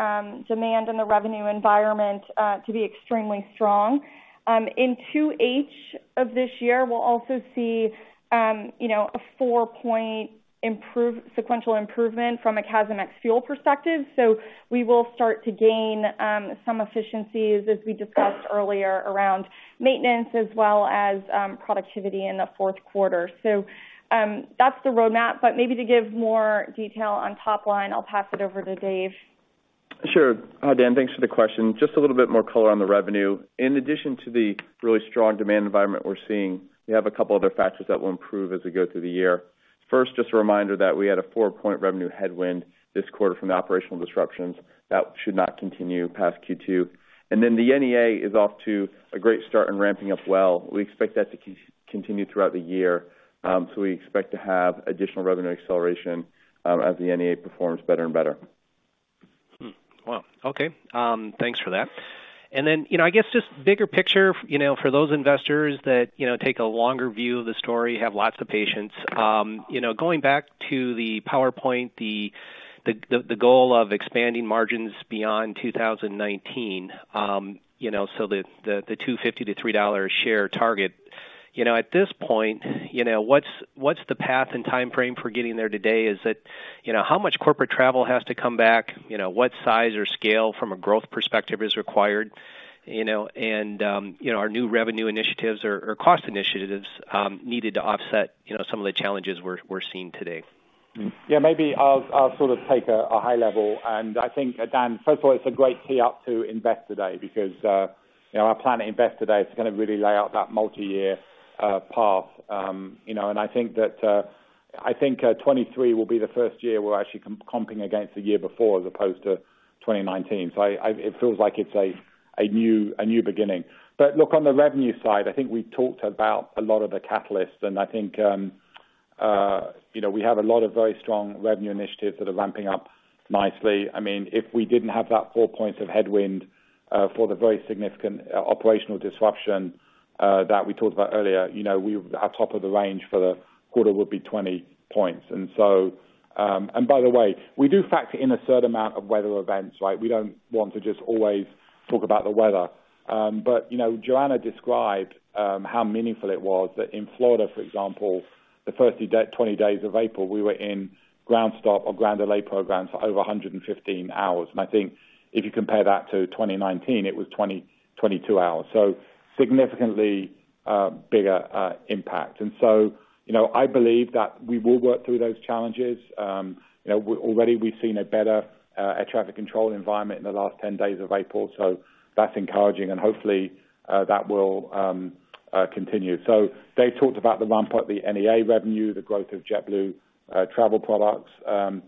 demand in the revenue environment to be extremely strong. In 2H of this year, we'll also see, you know, a 4-point sequential improvement from a CASM ex-fuel perspective. We will start to gain some efficiencies, as we discussed earlier, around maintenance as well as productivity in the fourth quarter. That's the roadmap, but maybe to give more detail on top line, I'll pass it over to Dave. Sure. Dan, thanks for the question. Just a little bit more color on the revenue. In addition to the really strong demand environment we're seeing, we have a couple other factors that will improve as we go through the year. First, just a reminder that we had a 4-point revenue headwind this quarter from the operational disruptions that should not continue past Q2. The NEA is off to a great start in ramping up well. We expect that to continue throughout the year. We expect to have additional revenue acceleration as the NEA performs better and better. Thanks for that. You know, I guess just bigger picture, you know, for those investors that, you know, take a longer view of the story, have lots of patience. You know, going back to the PowerPoint, the goal of expanding margins beyond 2019, you know, so the $2.50-$3 a share target. You know, at this point, you know, what's the path and timeframe for getting there today? Is it, you know, how much corporate travel has to come back? You know, what size or scale from a growth perspective is required, you know? You know, are new revenue initiatives or cost initiatives needed to offset, you know, some of the challenges we're seeing today? Yeah, maybe I'll sort of take a high level. I think, Dan, first of all, it's a great tee up to Investor Day because, you know, our plan at Investor Day is gonna really lay out that multi-year path. I think 2023 will be the first year we're actually comping against the year before as opposed to 2019. It feels like it's a new beginning. Look, on the revenue side, I think we talked about a lot of the catalysts, and I think, you know, we have a lot of very strong revenue initiatives that are ramping up nicely. I mean, if we didn't have that four points of headwind for the very significant operational disruption that we talked about earlier, you know, our top of the range for the quarter would be 20 points. By the way, we do factor in a certain amount of weather events, right? We don't want to just always talk about the weather. You know, Joanna described how meaningful it was that in Florida, for example, the first 20 days of April, we were in ground stop or ground delay programs for over 115 hours. I think if you compare that to 2019, it was 22 hours. So significantly bigger impact. You know, I believe that we will work through those challenges. You know, already we've seen a better air traffic control environment in the last 10 days of April, so that's encouraging, and hopefully that will continue. Dave talked about the ramp up, the NEA revenue, the growth of JetBlue Travel Products. On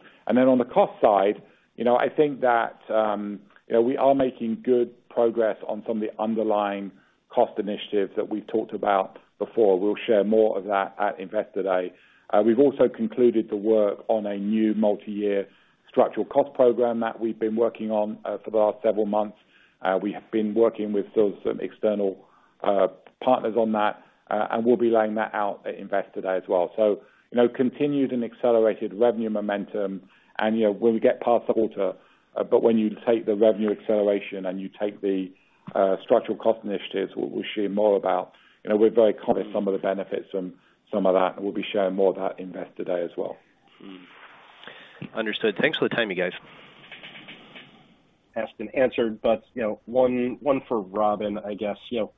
the cost side, you know, I think that you know, we are making good progress on some of the underlying cost initiatives that we've talked about before. We'll share more of that at Investor Day. We've also concluded the work on a new multi-year structural cost program that we've been working on for the last several months. We have been working with sort of some external partners on that, and we'll be laying that out at Investor Day as well. You know, continued and accelerated revenue momentum, and, you know, when we get past the quarter. When you take the revenue acceleration and you take the structural cost initiatives, we'll share more about, you know, we're very confident some of the benefits from some of that, and we'll be sharing more of that at Investor Day as well. Understood. Thanks for the time, you guys. Asked and answered, but you know, one for Robin, I guess. You know,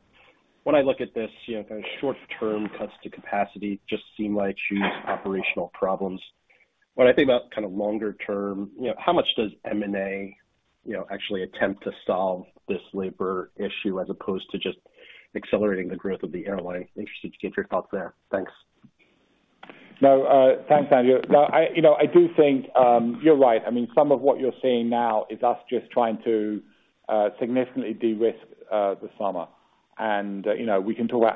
when I look at this, you know, kind of short term cuts to capacity just seem like huge operational problems. When I think about kind of longer term, you know, how much does M&A you know actually attempt to solve this labor issue as opposed to just accelerating the growth of the airline? Interested to get your thoughts there. Thanks. No, thanks, Andrew. No, you know, I do think you're right. I mean, some of what you're seeing now is us just trying to significantly de-risk the summer. You know, we can talk after